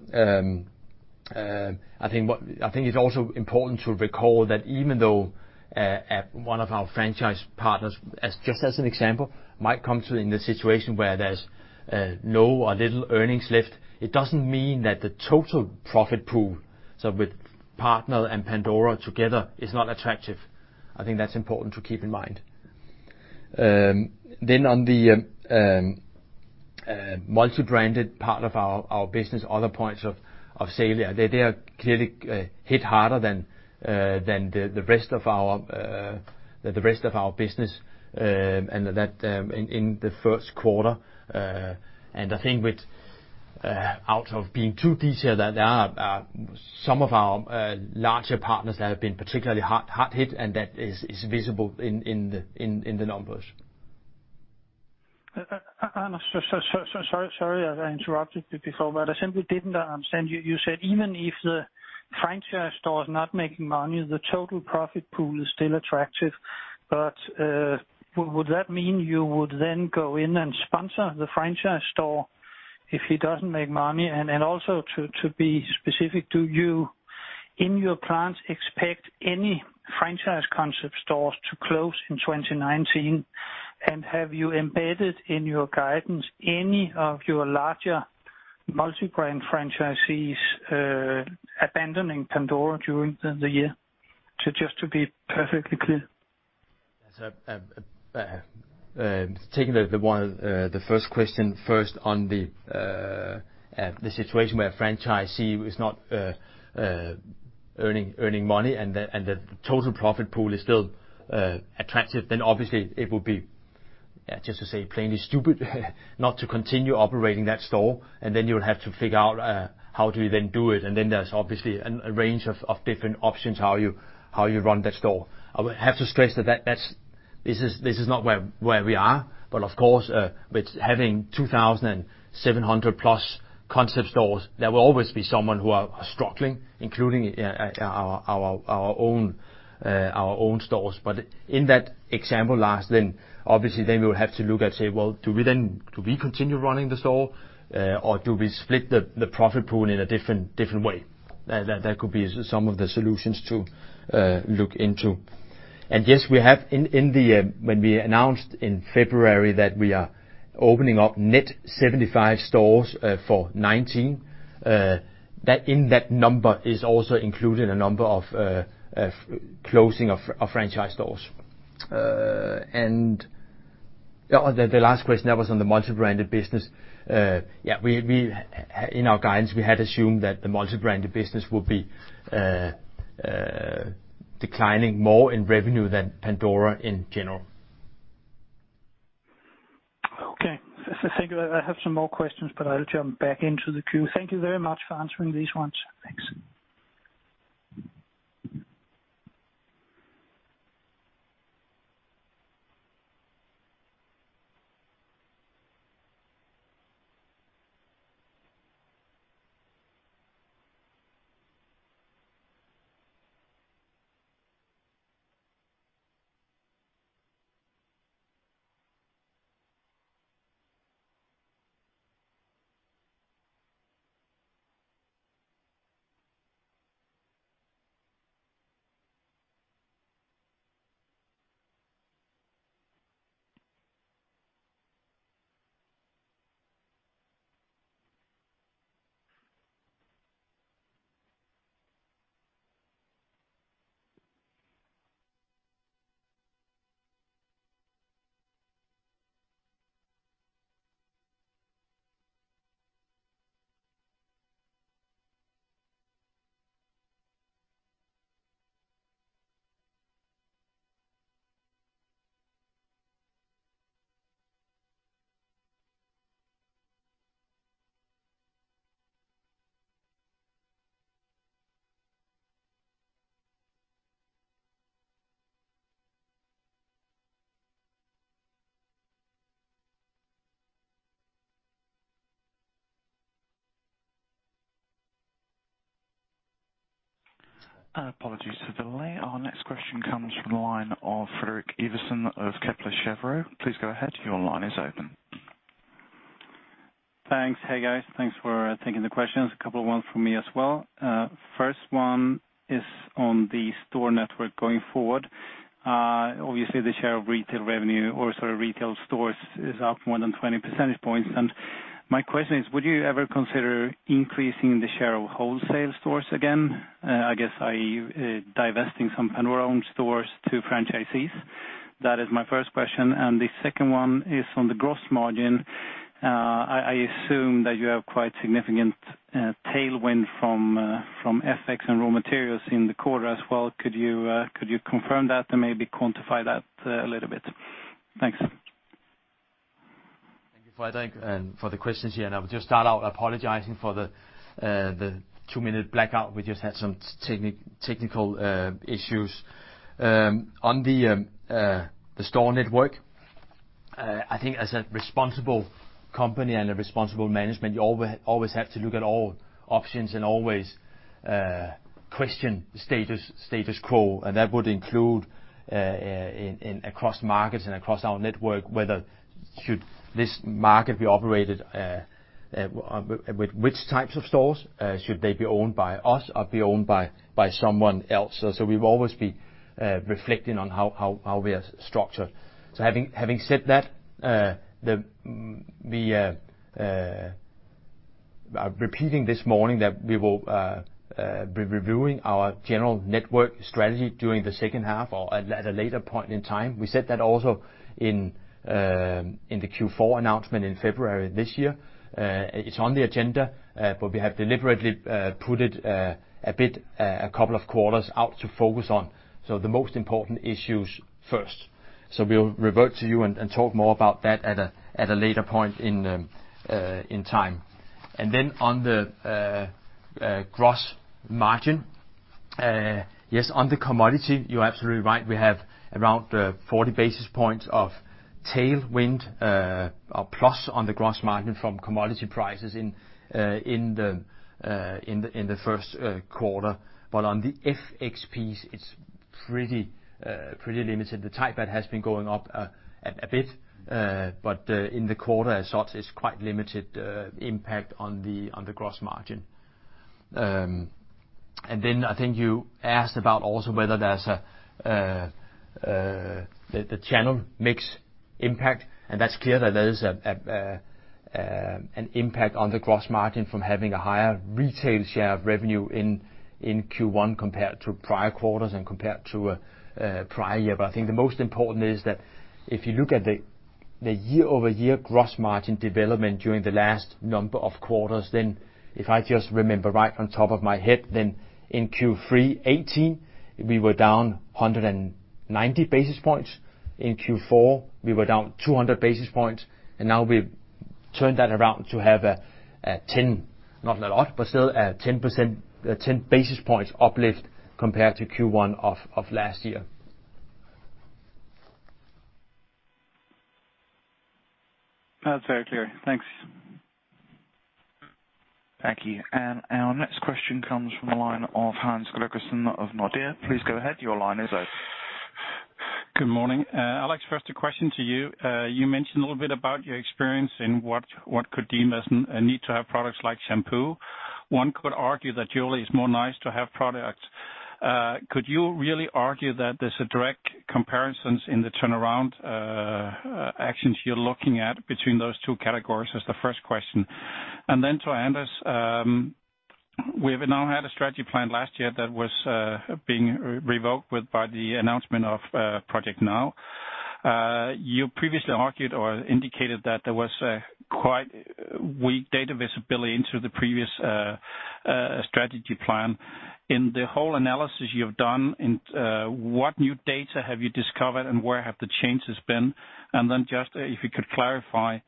I think it's also important to recall that even though one of our franchise partners, as just as an example, might come to in the situation where there's low or little earnings left, it doesn't mean that the total profit pool, so with partner and Pandora together, is not attractive. I think that's important to keep in mind. Then on the multi-branded part of our business, other points of sale, yeah, they are clearly hit harder than the rest of our business, and that in the Q1. I think without being too detailed, that there are some of our larger partners that have been particularly hard hit, and that is visible in the numbers. Anders, so, sorry, I simply didn't understand you. You said, even if the franchise store is not making money, the total profit pool is still attractive, but, would that mean you would then go in and sponsor the franchise store if he doesn't make money? And also, to be specific, do you, in your plans, expect any franchise concept stores to close in 2019? And have you embedded in your guidance any of your larger multi-brand franchisees abandoning Pandora during the year? So just to be perfectly clear. Yes, taking the one, the first question first on the situation where a franchisee is not earning money, and the total profit pool is still attractive, then obviously, it would be just to say, plainly stupid, not to continue operating that store, and then you would have to figure out how do you then do it? And then there's obviously a range of different options, how you run that store. I would have to stress that this is not where we are, but of course, with having 2,700+ concept stores, there will always be someone who are struggling, including our own stores. But in that example, Lars, then obviously, then we would have to look and say, "Well, do we then, do we continue running the store, or do we split the, the profit pool in a different, different way?" That, that could be some of the solutions to look into. And yes, we have in, in the, when we announced in February that we are opening up net 75 stores, for 2019, that, in that number is also included a number of, closing of, of franchise stores. And, oh, the, the last question, that was on the multi-branded business. Yeah, we, we in our guidance, we had assumed that the multi-branded business would be, declining more in revenue than Pandora in general. Okay, thank you. I have some more questions, but I'll jump back into the queue. Thank you very much for answering these ones. Thanks. ... Apologies for the delay. Our next question comes from the line of Fredrik Ivarsson of Kepler Cheuvreux. Please go ahead, your line is open. Thanks. Hey, guys. Thanks for taking the questions. A couple of ones from me as well. First one is on the store network going forward. Obviously, the share of retail revenue or sort of retail stores is up more than 20 percentage points, and my question is, would you ever consider increasing the share of wholesale stores again? I guess, i.e., divesting some Pandora-owned stores to franchisees. That is my first question, and the second one is on the gross margin. I assume that you have quite significant tailwind from FX and raw materials in the quarter as well. Could you confirm that and maybe quantify that a little bit? Thanks. Thank you, Fredrik, for the questions here. I will just start out apologizing for the two-minute blackout. We just had some technical issues. On the store network, I think as a responsible company and a responsible management, you always have to look at all options and always question the status quo, and that would include across markets and across our network, whether should this market be operated with which types of stores? Should they be owned by us or be owned by someone else? So we'll always be reflecting on how we are structured. So having said that, we are repeating this morning that we will be reviewing our general network strategy during the second half or at a later point in time. We said that also in the Q4 announcement in February this year. It's on the agenda, but we have deliberately put it a bit a couple of quarters out to focus on the most important issues first. So we'll revert to you and talk more about that at a later point in time. And then on the gross margin, yes, on the commodity, you're absolutely right. We have around 40 basis points of tailwind or plus on the gross margin from commodity prices in the Q1. But on the FX piece, it's pretty limited. The type that has been going up a bit, but in the quarter as such, it's quite limited impact on the gross margin. And then I think you asked about also whether there's the channel mix impact, and that's clear that there is an impact on the gross margin from having a higher retail share of revenue in Q1 compared to prior quarters and compared to a prior year. But I think the most important is that if you look at the year-over-year gross margin development during the last number of quarters, then if I just remember right on top of my head, then in Q3 2018, we were down 190 basis points. In Q4, we were down 200 basis points, and now we've turned that around to have a ten, not a lot, but still a 10 basis points uplift compared to Q1 of last year. That's very clear. Thanks. Thank you. Our next question comes from the line of Hans Gregersen of Nordea. Please go ahead. Your line is open. Good morning. Alex, first a question to you. You mentioned a little bit about your experience in what could deem as a need to have products like shampoo. One could argue that jewelry is more nice to have products. Could you really argue that there's a direct comparisons in the turnaround actions you're looking at between those two categories, as the first question? And then to Anders, we've now had a strategy plan last year that was being revoked with by the announcement of Programme NOW. You previously argued or indicated that there was a quite weak data visibility into the previous strategy plan. In the whole analysis you've done, what new data have you discovered, and where have the changes been? Then just if you could clarify,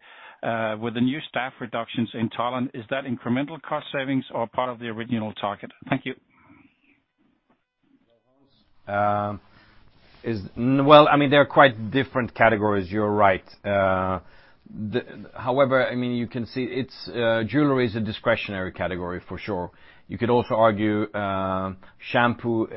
with the new staff reductions in Thailand, is that incremental cost savings or part of the original target? Thank you. Well, I mean, they're quite different categories, you're right. However, I mean, you can see it's jewelry is a discretionary category for sure. You could also argue, shampoo,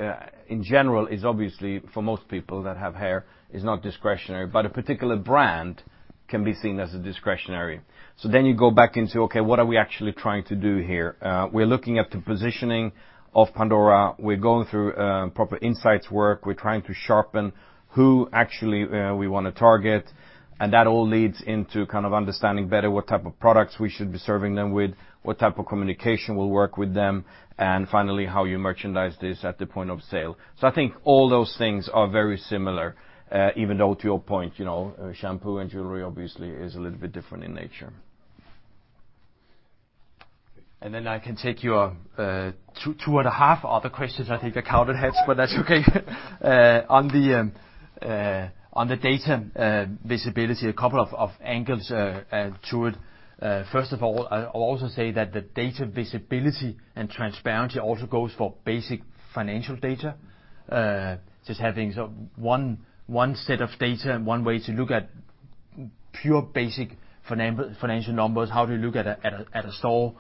in general, is obviously, for most people that have hair, is not discretionary, but a particular brand can be seen as a discretionary. So then you go back into, okay, what are we actually trying to do here? We're looking at the positioning of Pandora. We're going through proper insights work. We're trying to sharpen who actually we want to target, and that all leads into kind of understanding better what type of products we should be serving them with, what type of communication will work with them, and finally, how you merchandise this at the point of sale. So I think all those things are very similar, even though to your point, you know, shampoo and jewelry obviously is a little bit different in nature. Then I can take your 2, 2.5 other questions I think I counted, Hans, but that's okay. On the data visibility, a couple of angles to it. First of all, I'll also say that the data visibility and transparency also goes for basic financial data. Just having one set of data and one way to look at pure basic financial numbers, how do you look at a store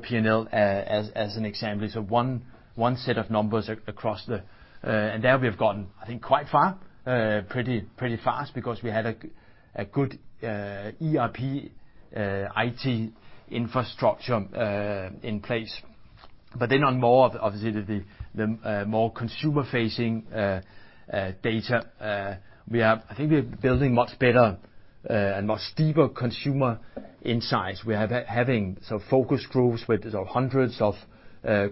P&L as an example? So one set of numbers across the and there we have gotten, I think, quite far, pretty fast, because we had a good ERP IT infrastructure in place. But then on more of, obviously, the more consumer-facing data, we have. I think we're building much better and much deeper consumer insights. We're having some focus groups with, sort of, hundreds of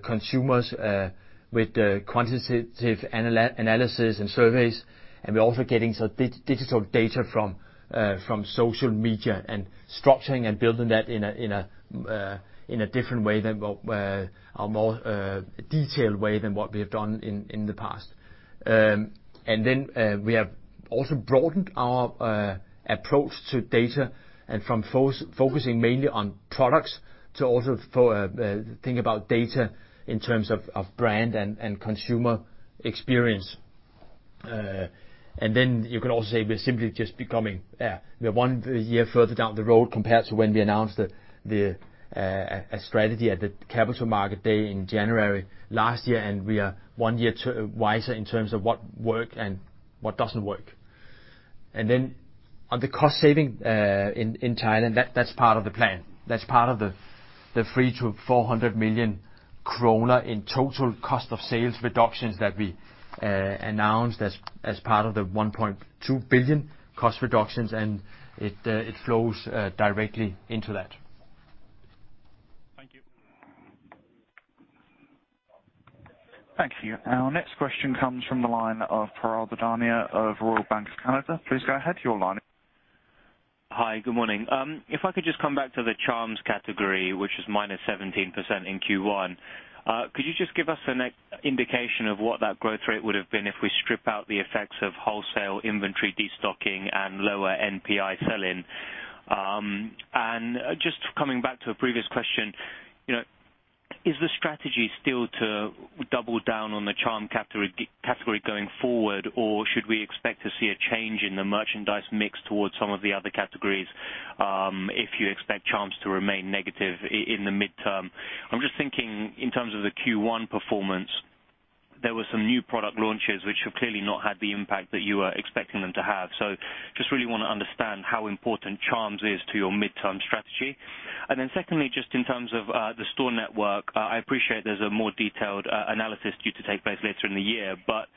consumers, with quantitative analysis and surveys, and we're also getting some digital data from social media, and structuring and building that in a more detailed way than what we have done in the past. And then we have also broadened our approach to data, and from focusing mainly on products to also think about data in terms of brand and consumer experience. And then you could also say we're simply just becoming. We're one year further down the road compared to when we announced the strategy at the Capital Markets Day in January last year, and we are one year the wiser in terms of what works and what doesn't work. Then on the cost saving in Thailand, that's part of the plan. That's part of the 300 million-400 million kroner in total cost of sales reductions that we announced as part of the 1.2 billion cost reductions, and it flows directly into that. Thank you. Thank you. Our next question comes from the line of Piral Dadhania of Royal Bank of Canada. Please go ahead, your line is- Hi, good morning. If I could just come back to the charms category, which is minus 17% in Q1. Could you just give us an indication of what that growth rate would've been if we strip out the effects of wholesale inventory, destocking, and lower NPI sell-in? And just coming back to a previous question, you know, is the strategy still to double down on the charms category going forward, or should we expect to see a change in the merchandise mix towards some of the other categories, if you expect charms to remain negative in the midterm? I'm just thinking in terms of the Q1 performance, there were some new product launches which have clearly not had the impact that you were expecting them to have. So just really want to understand how important charms is to your midterm strategy. And then secondly, just in terms of the store network, I appreciate there's a more detailed analysis due to take place later in the year, but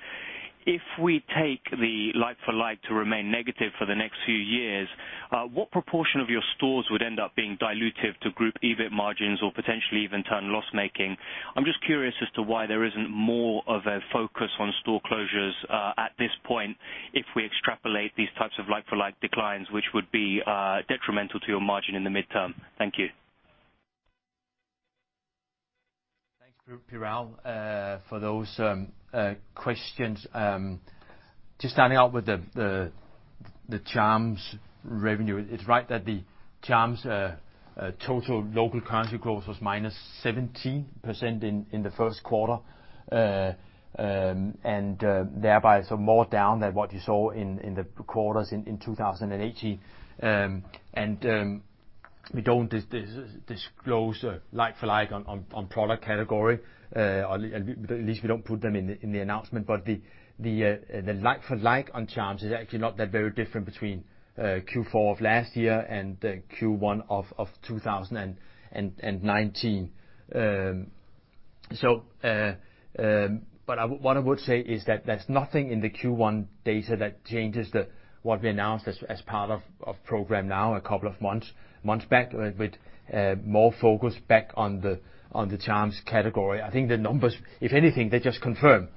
if we take the like-for-like to remain negative for the next few years, what proportion of your stores would end up being dilutive to group EBIT margins or potentially even turn loss-making? I'm just curious as to why there isn't more of a focus on store closures at this point, if we extrapolate these types of like-for-like declines, which would be detrimental to your margin in the midterm. Thank you. Thanks, Piral, for those questions. Just starting out with the charms revenue, it's right that the charms total local currency growth was -17% in the Q1, and thereby so more down than what you saw in the quarters in 2018. And we don't disclose like-for-like on product category, at least we don't put them in the announcement. But the like-for-like on charms is actually not that very different between Q4 of last year and Q1 of 2019. So, but what I would say is that there's nothing in the Q1 data that changes what we announced as part of Programme NOW a couple of months back, with more focus back on the charms category. I think the numbers, if anything, they just confirm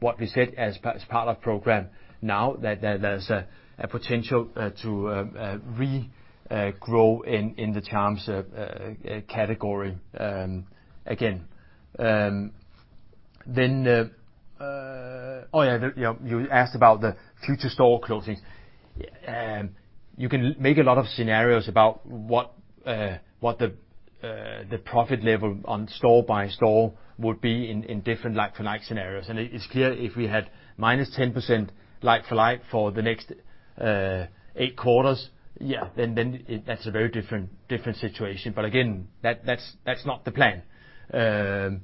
what we said as part of Programme NOW, that there's a potential to regrow in the charms category again. Oh, yeah, you know, you asked about the future store closing. You can make a lot of scenarios about what the profit level on store-by-store would be in different like-for-like scenarios. It's clear if we had -10% like-for-like for the next 8 quarters, yeah, then that's a very different situation. But again, that's not the plan.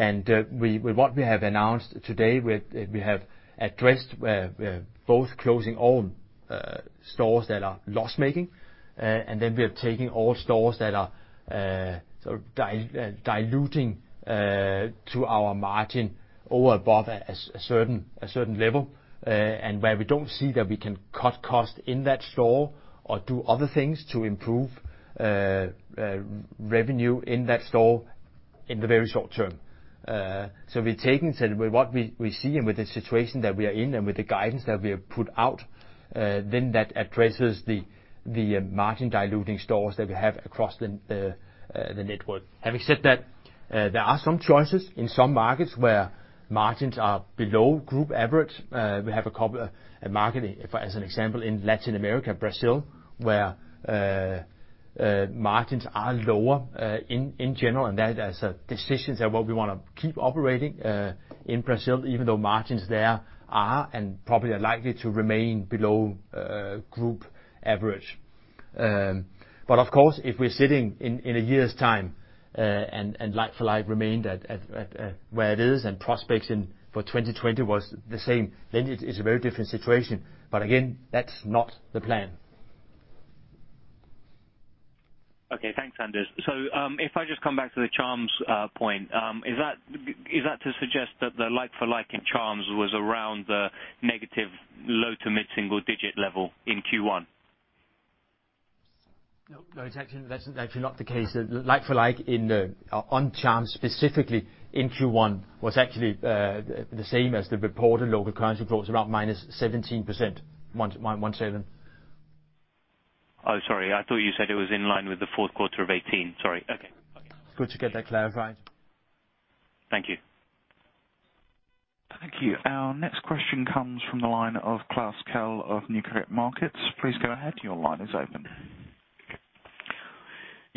And with what we have announced today, we have addressed both closing own stores that are loss-making, and then we are taking all stores that are sort of diluting to our margin over above a certain level, and where we don't see that we can cut cost in that store or do other things to improve revenue in that store in the very short term. So we're taking said with what we see and with the situation that we are in and with the guidance that we have put out, then that addresses the margin-diluting stores that we have across the network. Having said that, there are some choices in some markets where margins are below group average. We have a couple markets, for example, in Latin America, Brazil, where margins are lower in general, and that the decisions are what we wanna keep operating in Brazil, even though margins there are and probably likely to remain below group average. But of course, if we're sitting in a year's time, and like-for-like remained at where it is, and prospects for 2020 was the same, then it is a very different situation. But again, that's not the plan. Okay, thanks, Anders. So, if I just come back to the charms point, is that, is that to suggest that the like-for-like in charms was around the negative low- to mid-single-digit level in Q1? No, no, it's actually, that's actually not the case. The like-for-like on charms, specifically in Q1, was actually the same as the reported local currency growth, around -17%, 117. Oh, sorry. I thought you said it was in line with the Q4 of 2018. Sorry. Okay. Okay. Good to get that clarified. Thank you. Thank you. Our next question comes from the line of Klaus Kehl of Nykredit Markets. Please go ahead. Your line is open.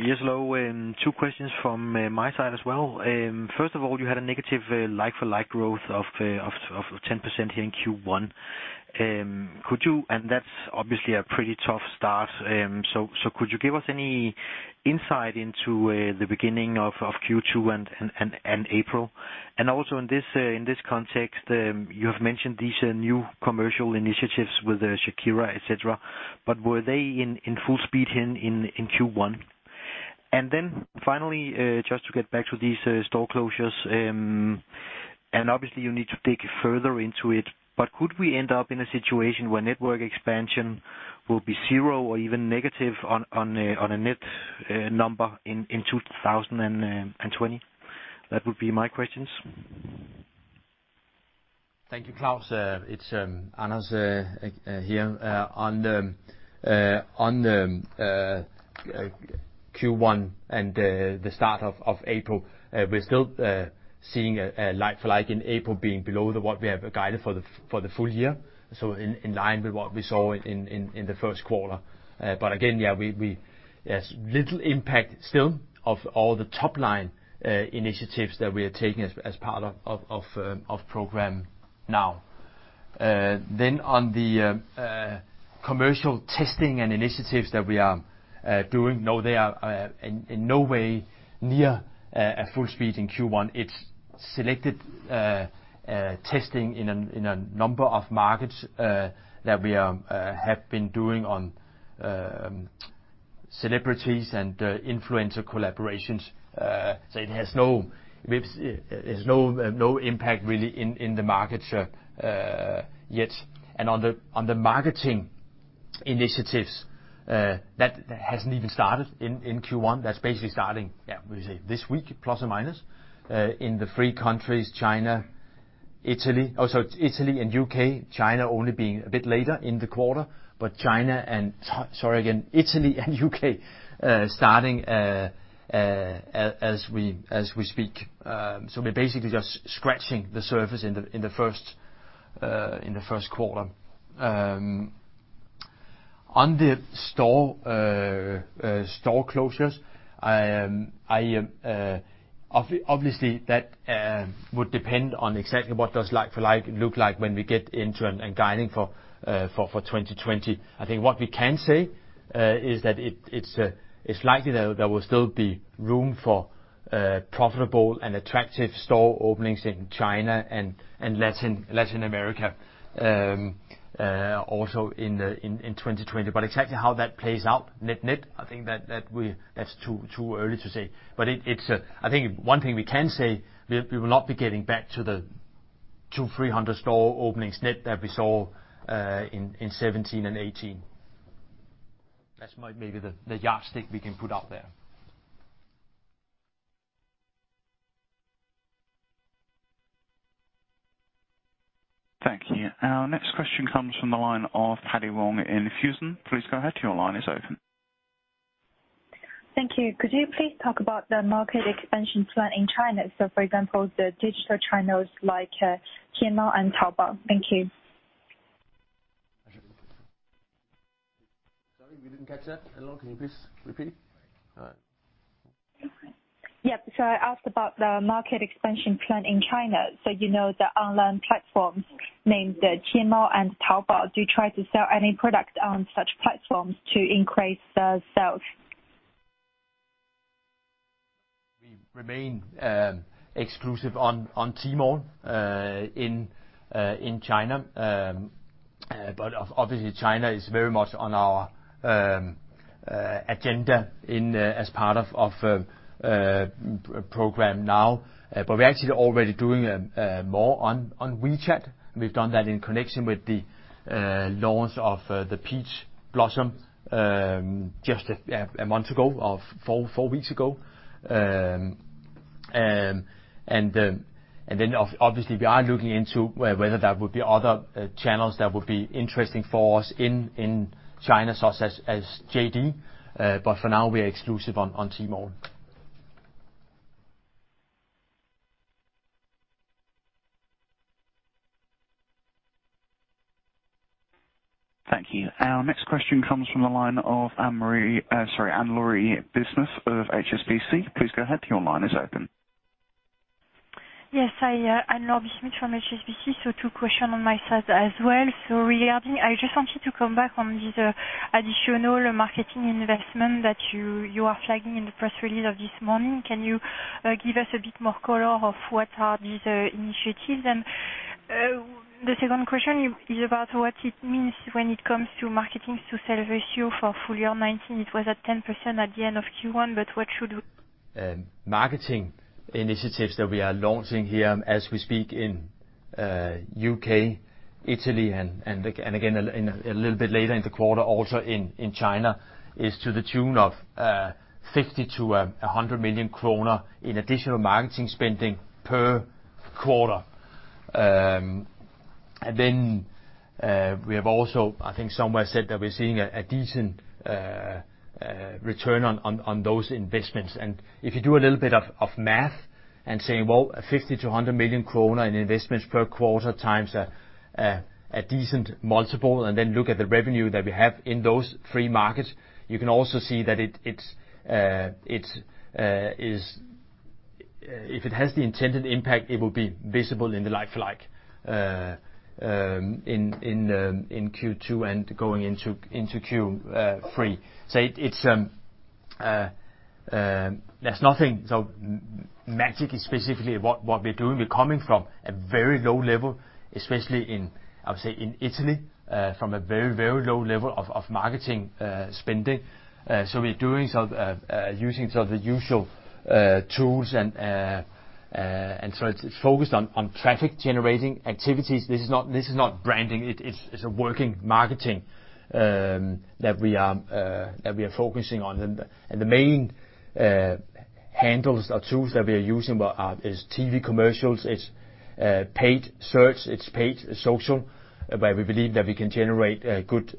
Yes, hello, and two questions from my side as well. First of all, you had a negative like-for-like growth of 10% here in Q1. Could you—and that's obviously a pretty tough start. So could you give us any insight into the beginning of Q2 and April? And also, in this context, you have mentioned these new commercial initiatives with Shakira, et cetera, but were they in full speed in Q1? And then finally, just to get back to these store closures, and obviously you need to dig further into it, but could we end up in a situation where network expansion will be zero or even negative on a net number in 2020? That would be my questions. Thank you, Klaus. It's Anders here. On the Q1 and the start of April, we're still seeing a like-for-like in April being below what we have guided for the full year, so in line with what we saw in the Q1. But again, yeah, we... There's little impact still of all the top-line initiatives that we are taking as part of Programme NOW. Then on the commercial testing and initiatives that we are doing, no, they are in no way near at full speed in Q1. It's selected testing in a number of markets that we have been doing on celebrities and influencer collaborations. So it has no impact really in the market share, yet. And on the marketing initiatives, that hasn't even started in Q1. That's basically starting, yeah, we say this week, plus or minus, in the three countries, China, Italy... Oh, sorry, Italy and UK, China only being a bit later in the quarter, but China and- so- sorry again, Italy and UK, starting, as we speak. So we're basically just scratching the surface in the Q1. On the store closures, obviously, that would depend on exactly what does like-for-like look like when we get into and guiding for 2020. I think what we can say is that it's likely there will still be room for profitable and attractive store openings in China and Latin America also in 2020. But exactly how that plays out net-net, I think that's too early to say. But it's... I think one thing we can say, we will not be getting back to the 200-300 store openings net that we saw in 2017 and 2018. That's maybe the yardstick we can put out there. Thank you. Our next question comes from the line of Pattie Ung in CICC. Please go ahead. Your line is open. Thank you. Could you please talk about the market expansion plan in China? So, for example, the digital channels like Tmall and Taobao. Thank you. Sorry, we didn't catch that. Hello, can you please repeat? All right. Yep. So I asked about the market expansion plan in China. So you know, the online platforms named Tmall and Taobao. Do you try to sell any product on such platforms to increase the sales? We remain exclusive on Tmall in China. But obviously, China is very much on our agenda as part of Programme NOW. But we're actually already doing more on WeChat. We've done that in connection with the launch of the Peach Blossom just a month ago, or four weeks ago. And then obviously, we are looking into whether there would be other channels that would be interesting for us in China, such as JD. But for now, we are exclusive on Tmall. Thank you. Our next question comes from the line of Anne-Laure Bismuth of HSBC. Please go ahead, your line is open. Yes, I, Anne-Laure Bismuth from HSBC. So two questions on my side as well. So regarding, I just wanted to come back on this additional marketing investment that you, you are flagging in the press release of this morning. Can you give us a bit more color on what are these initiatives? And the second question is about what it means when it comes to marketing to sales ratio for full year 2019, it was at 10% at the end of Q1, but what should- Marketing initiatives that we are launching here, as we speak in UK, Italy, and again a little bit later in the quarter, also in China, is to the tune of 50 million-100 million kroner in additional marketing spending per quarter. And then, we have also, I think somewhere said that we're seeing a decent return on those investments. And if you do a little bit of math and say, well, 50-100 million kroner in investments per quarter times a decent multiple, and then look at the revenue that we have in those three markets, you can also see that it is if it has the intended impact, it will be visible in the like-for-like in Q2 and going into Q3. So it's, there's nothing so magical about specifically what we're doing. We're coming from a very low level, especially in, I would say, in Italy, from a very, very low level of marketing spending. So we're using some of the usual tools, and so it's focused on traffic generating activities. This is not, this is not branding. It's a working marketing that we are focusing on. And the main handles or tools that we are using are TV commercials, it's paid search, it's paid social, where we believe that we can generate a good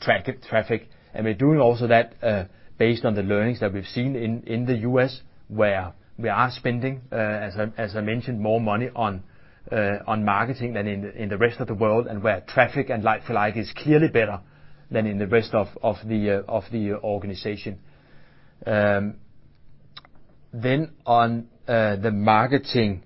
traffic. And we're doing also that based on the learnings that we've seen in the U.S., where we are spending, as I mentioned, more money on marketing than in the rest of the world, and where traffic and like-for-like is clearly better than in the rest of the organization. Then, on the marketing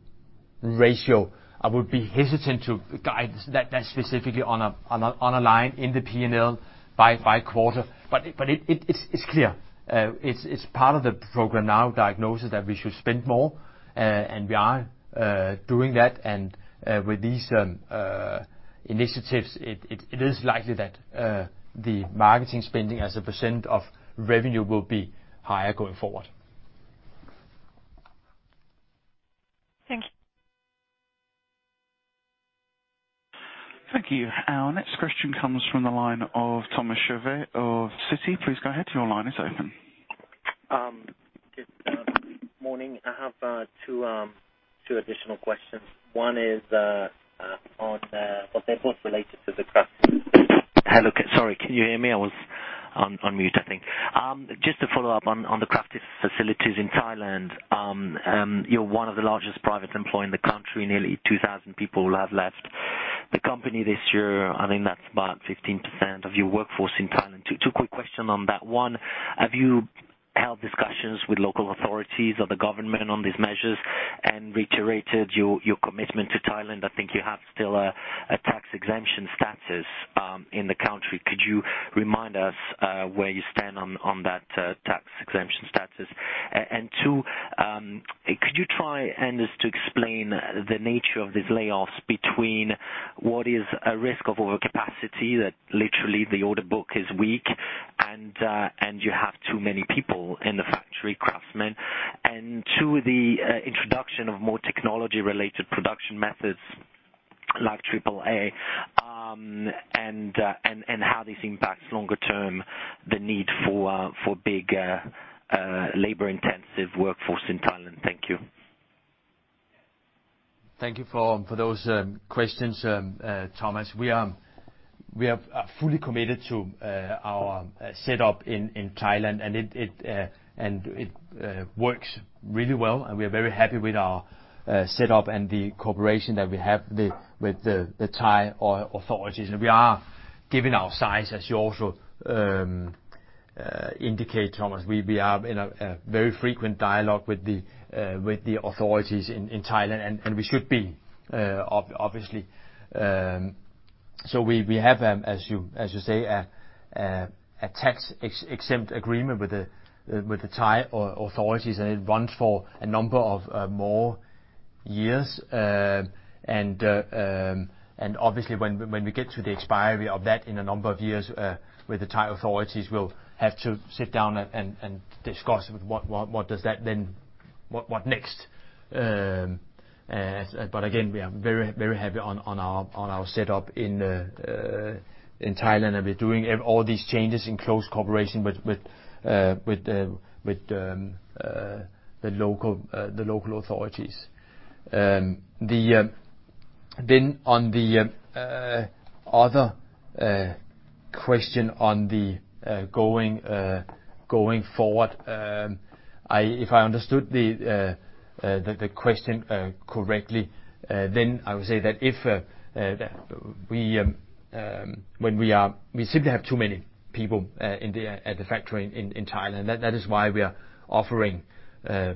ratio, I would be hesitant to guide that specifically on a line in the P&L by quarter. But it is clear; it is part of the Programme NOW diagnosis that we should spend more, and we are doing that. And, with these initiatives, it is likely that the marketing spending as a % of revenue will be higher going forward. Thank you. Thank you. Our next question comes from the line of Thomas Chauvet of Citi. Please go ahead, your line is open. Good morning. I have two additional questions. One is on, but they're both related to the crafting. Hello, sorry, can you hear me? I was on mute, I think. Just to follow up on the crafting facilities in Thailand. You're one of the largest private employers in the country. Nearly 2,000 people have left the company this year. I think that's about 15% of your workforce in Thailand. Two quick questions on that. One, have you held discussions with local authorities or the government on these measures and reiterated your commitment to Thailand? I think you have still a tax exemption status in the country. Could you remind us where you stand on that tax exemption status? And two, could you try, Anders, to explain the nature of these layoffs between what is a risk of overcapacity, that literally the order book is weak, and you have too many people in the factory, craftsmen. And two, the introduction of more technology-related production methods like AAA, and how this impacts longer term, the need for big labor-intensive workforce in Thailand. Thank you. Thank you for those questions, Thomas. We are fully committed to our setup in Thailand, and it works really well, and we are very happy with our setup and the cooperation that we have with the Thai authorities. Given our size, as you also indicate, Thomas, we are in a very frequent dialogue with the authorities in Thailand, and we should be, obviously. So we have, as you say, a tax-exempt agreement with the Thai authorities, and it runs for a number of more years. And obviously, when we get to the expiry of that in a number of years with the Thai authorities, we'll have to sit down and discuss what does that then... What next? But again, we are very, very happy on our setup in Thailand, and we're doing all these changes in close cooperation with the local authorities. Then on the other question on going forward, if I understood the question correctly, then I would say that if we, when we are—we simply have too many people at the factory in Thailand. That is why we are offering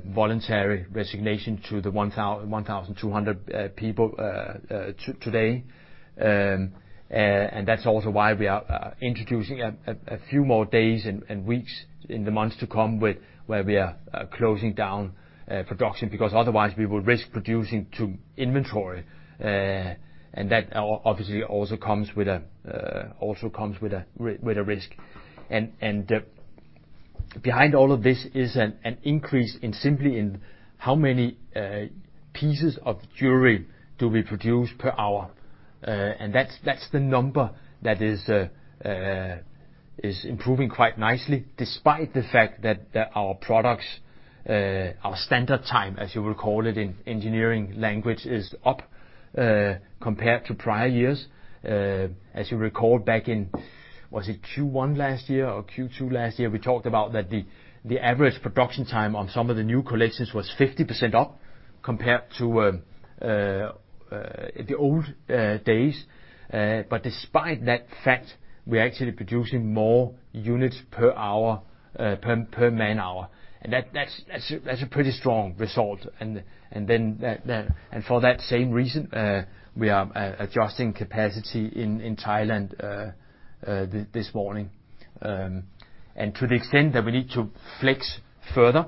voluntary resignation to the 1,200 people today. And that's also why we are introducing a few more days and weeks in the months to come where we are closing down production, because otherwise we will risk producing to inventory. And that obviously also comes with a risk. And behind all of this is an increase simply in how many pieces of jewelry do we produce per hour? And that is the number that is improving quite nicely, despite the fact that our products our standard time, as you will call it, in engineering language, is up compared to prior years. As you recall, back in, was it Q1 last year or Q2 last year? We talked about that the average production time on some of the new collections was 50% up compared to the old days. But despite that fact, we are actually producing more units per hour per man hour. And that's a pretty strong result. And for that same reason, we are adjusting capacity in Thailand this morning. And to the extent that we need to flex further,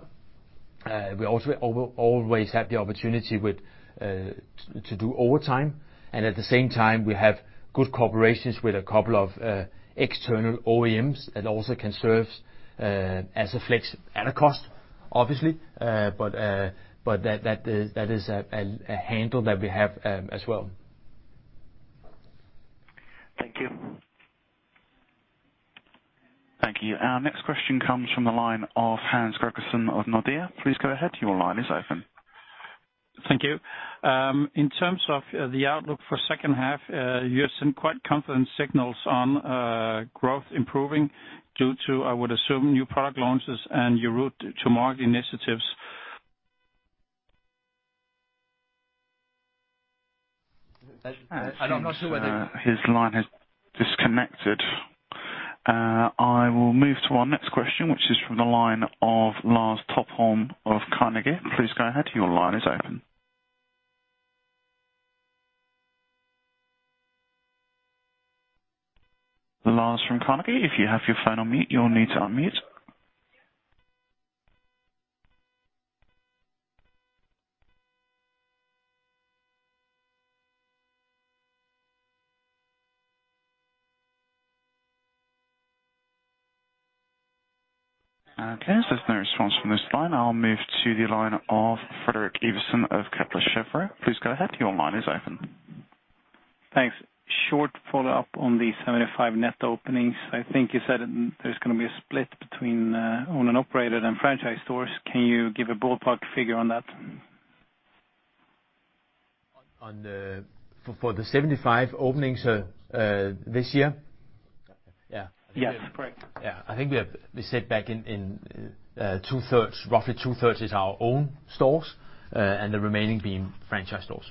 we also always have the opportunity to do overtime, and at the same time, we have good collaborations with a couple of external OEMs that also can serve as a flex at a cost, obviously. But that is a handle that we have as well. Thank you. Thank you. Our next question comes from the line of Hans Gregersen of Nordea. Please go ahead. Your line is open. Thank you. In terms of the outlook for second half, you had some quite confident signals on growth improving due to, I would assume, new product launches and your route to market initiatives. I'm not sure whether- His line has disconnected. I will move to our next question, which is from the line of Lars Topholm of Carnegie. Please go ahead. Your line is open. Lars, from Carnegie, if you have your phone on mute, you'll need to unmute. Okay, there's no response from this line. I'll move to the line of Fredrik Ivarsson of Kepler Cheuvreux. Please go ahead. Your line is open. Thanks. Short follow-up on the 75 net openings. I think you said it, there's going to be a split between owned and operated and franchise stores. Can you give a ballpark figure on that? For the 75 openings this year? Yeah. Yes, correct. Yeah, I think we have. We said back in two thirds, roughly two thirds is our own stores, and the remaining being franchise stores.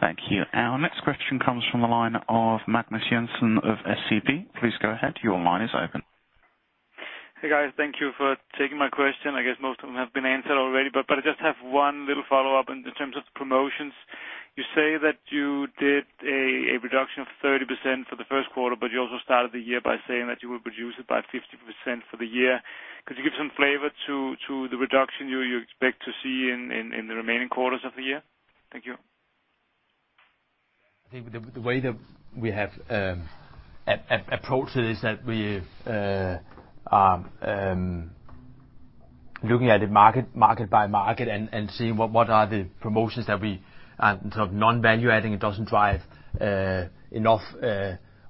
Thank you. Our next question comes from the line of Magnus Jensen of SEB. Please go ahead, your line is open. Hey, guys. Thank you for taking my question. I guess most of them have been answered already, but I just have one little follow-up in terms of promotions. You say that you did a reduction of 30% for the Q1, but you also started the year by saying that you would reduce it by 50% for the year. Could you give some flavor to the reduction you expect to see in the remaining quarters of the year? Thank you. I think the way that we have approached it is that we are looking at the market by market, and seeing what are the promotions that we sort of non-value adding, it doesn't drive enough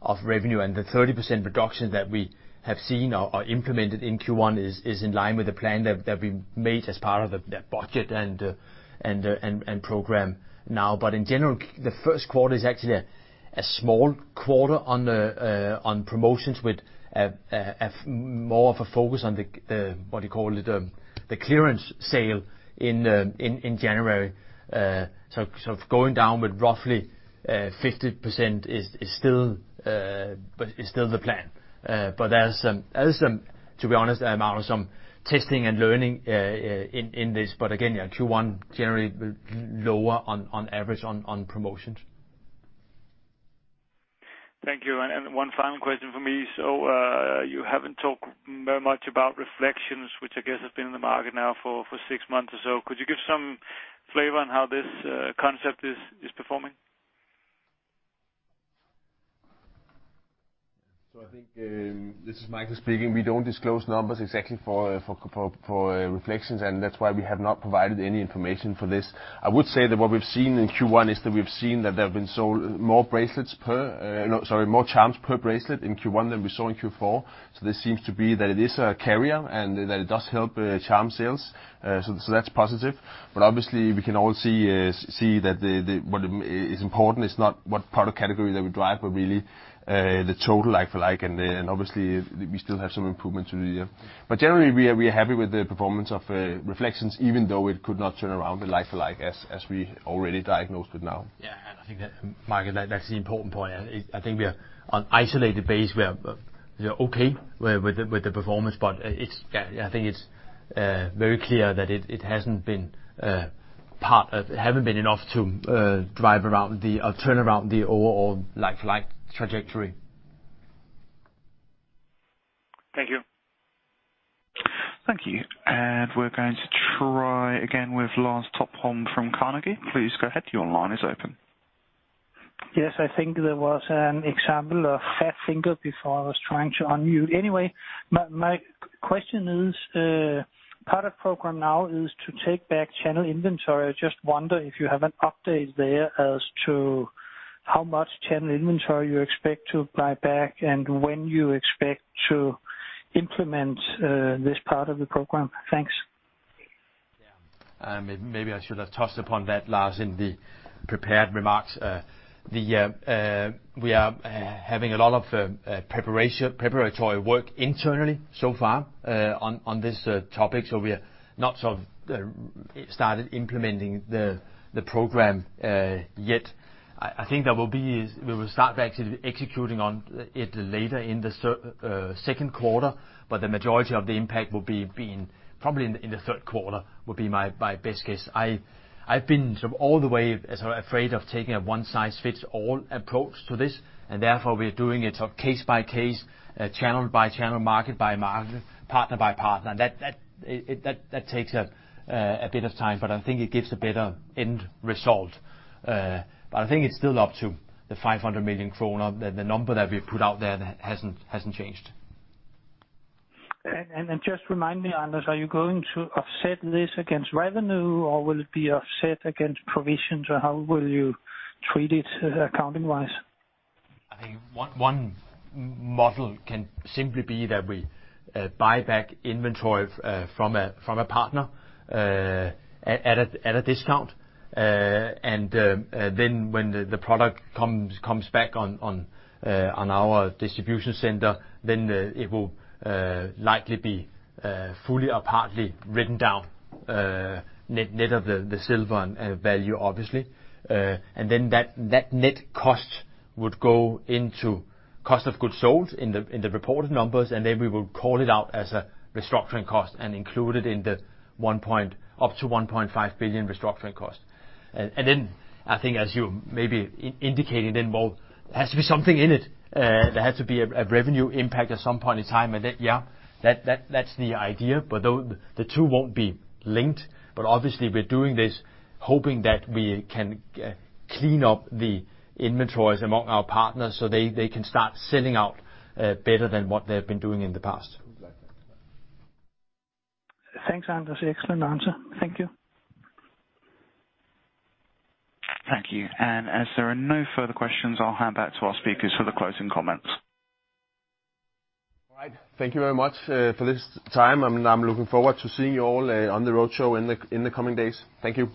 of revenue. And the 30% reduction that we have seen or implemented in Q1 is in line with the plan that we made as part of the budget and Programme NOW. But in general, the Q1 is actually a small quarter on the promotions with more of a focus on the what do you call it? The clearance sale in January. So going down with roughly 50% is still the plan. But there's some, to be honest, some testing and learning in this. But again, yeah, Q1, generally lower on average on promotions. Thank you. And one final question for me. So, you haven't talked very much about Reflexions, which I guess has been in the market now for six months or so. Could you give some flavor on how this concept is performing? ...So I think, this is Michael speaking. We don't disclose numbers exactly for Reflexions, and that's why we have not provided any information for this. I would say that what we've seen in Q1 is that we've seen that there have been sold more bracelets per, no, sorry, more charms per bracelet in Q1 than we saw in Q4. So this seems to be that it is a carrier, and that it does help charm sales. So that's positive. But obviously, we can all see that what it's important is not what product category that we drive, but really the total like for like, and obviously, we still have some improvements to do. But generally, we are happy with the performance of Reflexions, even though it could not turn around with like for like, as we already diagnosed it now. Yeah, and I think that, Michael, that's the important point. I think we are on an isolated basis, we are okay with the performance, but I think it's very clear that it hasn't been part of... It hasn't been enough to drive around the or turn around the overall like-for-like trajectory. Thank you. Thank you. We're going to try again with Lars Topholm from Carnegie. Please go ahead, your line is open. Yes, I think there was an example of fat finger before I was trying to unmute. Anyway, my, my question is, part of Programme NOW is to take back channel inventory. I just wonder if you have an update there as to how much channel inventory you expect to buy back, and when you expect to implement this part of the programme? Thanks. Yeah. Maybe I should have touched upon that, Lars, in the prepared remarks. We are having a lot of preparation, preparatory work internally so far on this topic, so we are not sort of started implementing the program yet. I think there will be, we will start back to executing on it later in the Q2, but the majority of the impact will be in probably in the Q3, would be my best guess. I've been sort of all the way as afraid of taking a one-size-fits-all approach to this, and therefore, we're doing it of case by case, channel by channel, market by market, partner by partner. That takes a bit of time, but I think it gives a better end result. But I think it's still up to 500 million kroner, the number that we put out there hasn't changed. Just remind me, Anders, are you going to offset this against revenue, or will it be offset against provisions, or how will you treat it accounting-wise? I think one model can simply be that we buy back inventory from a partner at a discount. Then when the product comes back on our distribution center, it will likely be fully or partly written down, net of the silver and value, obviously. And then that net cost would go into cost of goods sold in the reported numbers, and then we will call it out as a restructuring cost and include it in the 1-1.5 billion restructuring cost. Then I think as you maybe indicating, there has to be something in it. There has to be a revenue impact at some point in time, and that, yeah, that's the idea, but the two won't be linked. But obviously, we're doing this hoping that we can clean up the inventories among our partners so they can start selling out better than what they've been doing in the past. Thanks, Anders. Excellent answer. Thank you. Thank you. As there are no further questions, I'll hand back to our speakers for the closing comments. All right. Thank you very much for this time. I'm looking forward to seeing you all on the road show in the coming days. Thank you.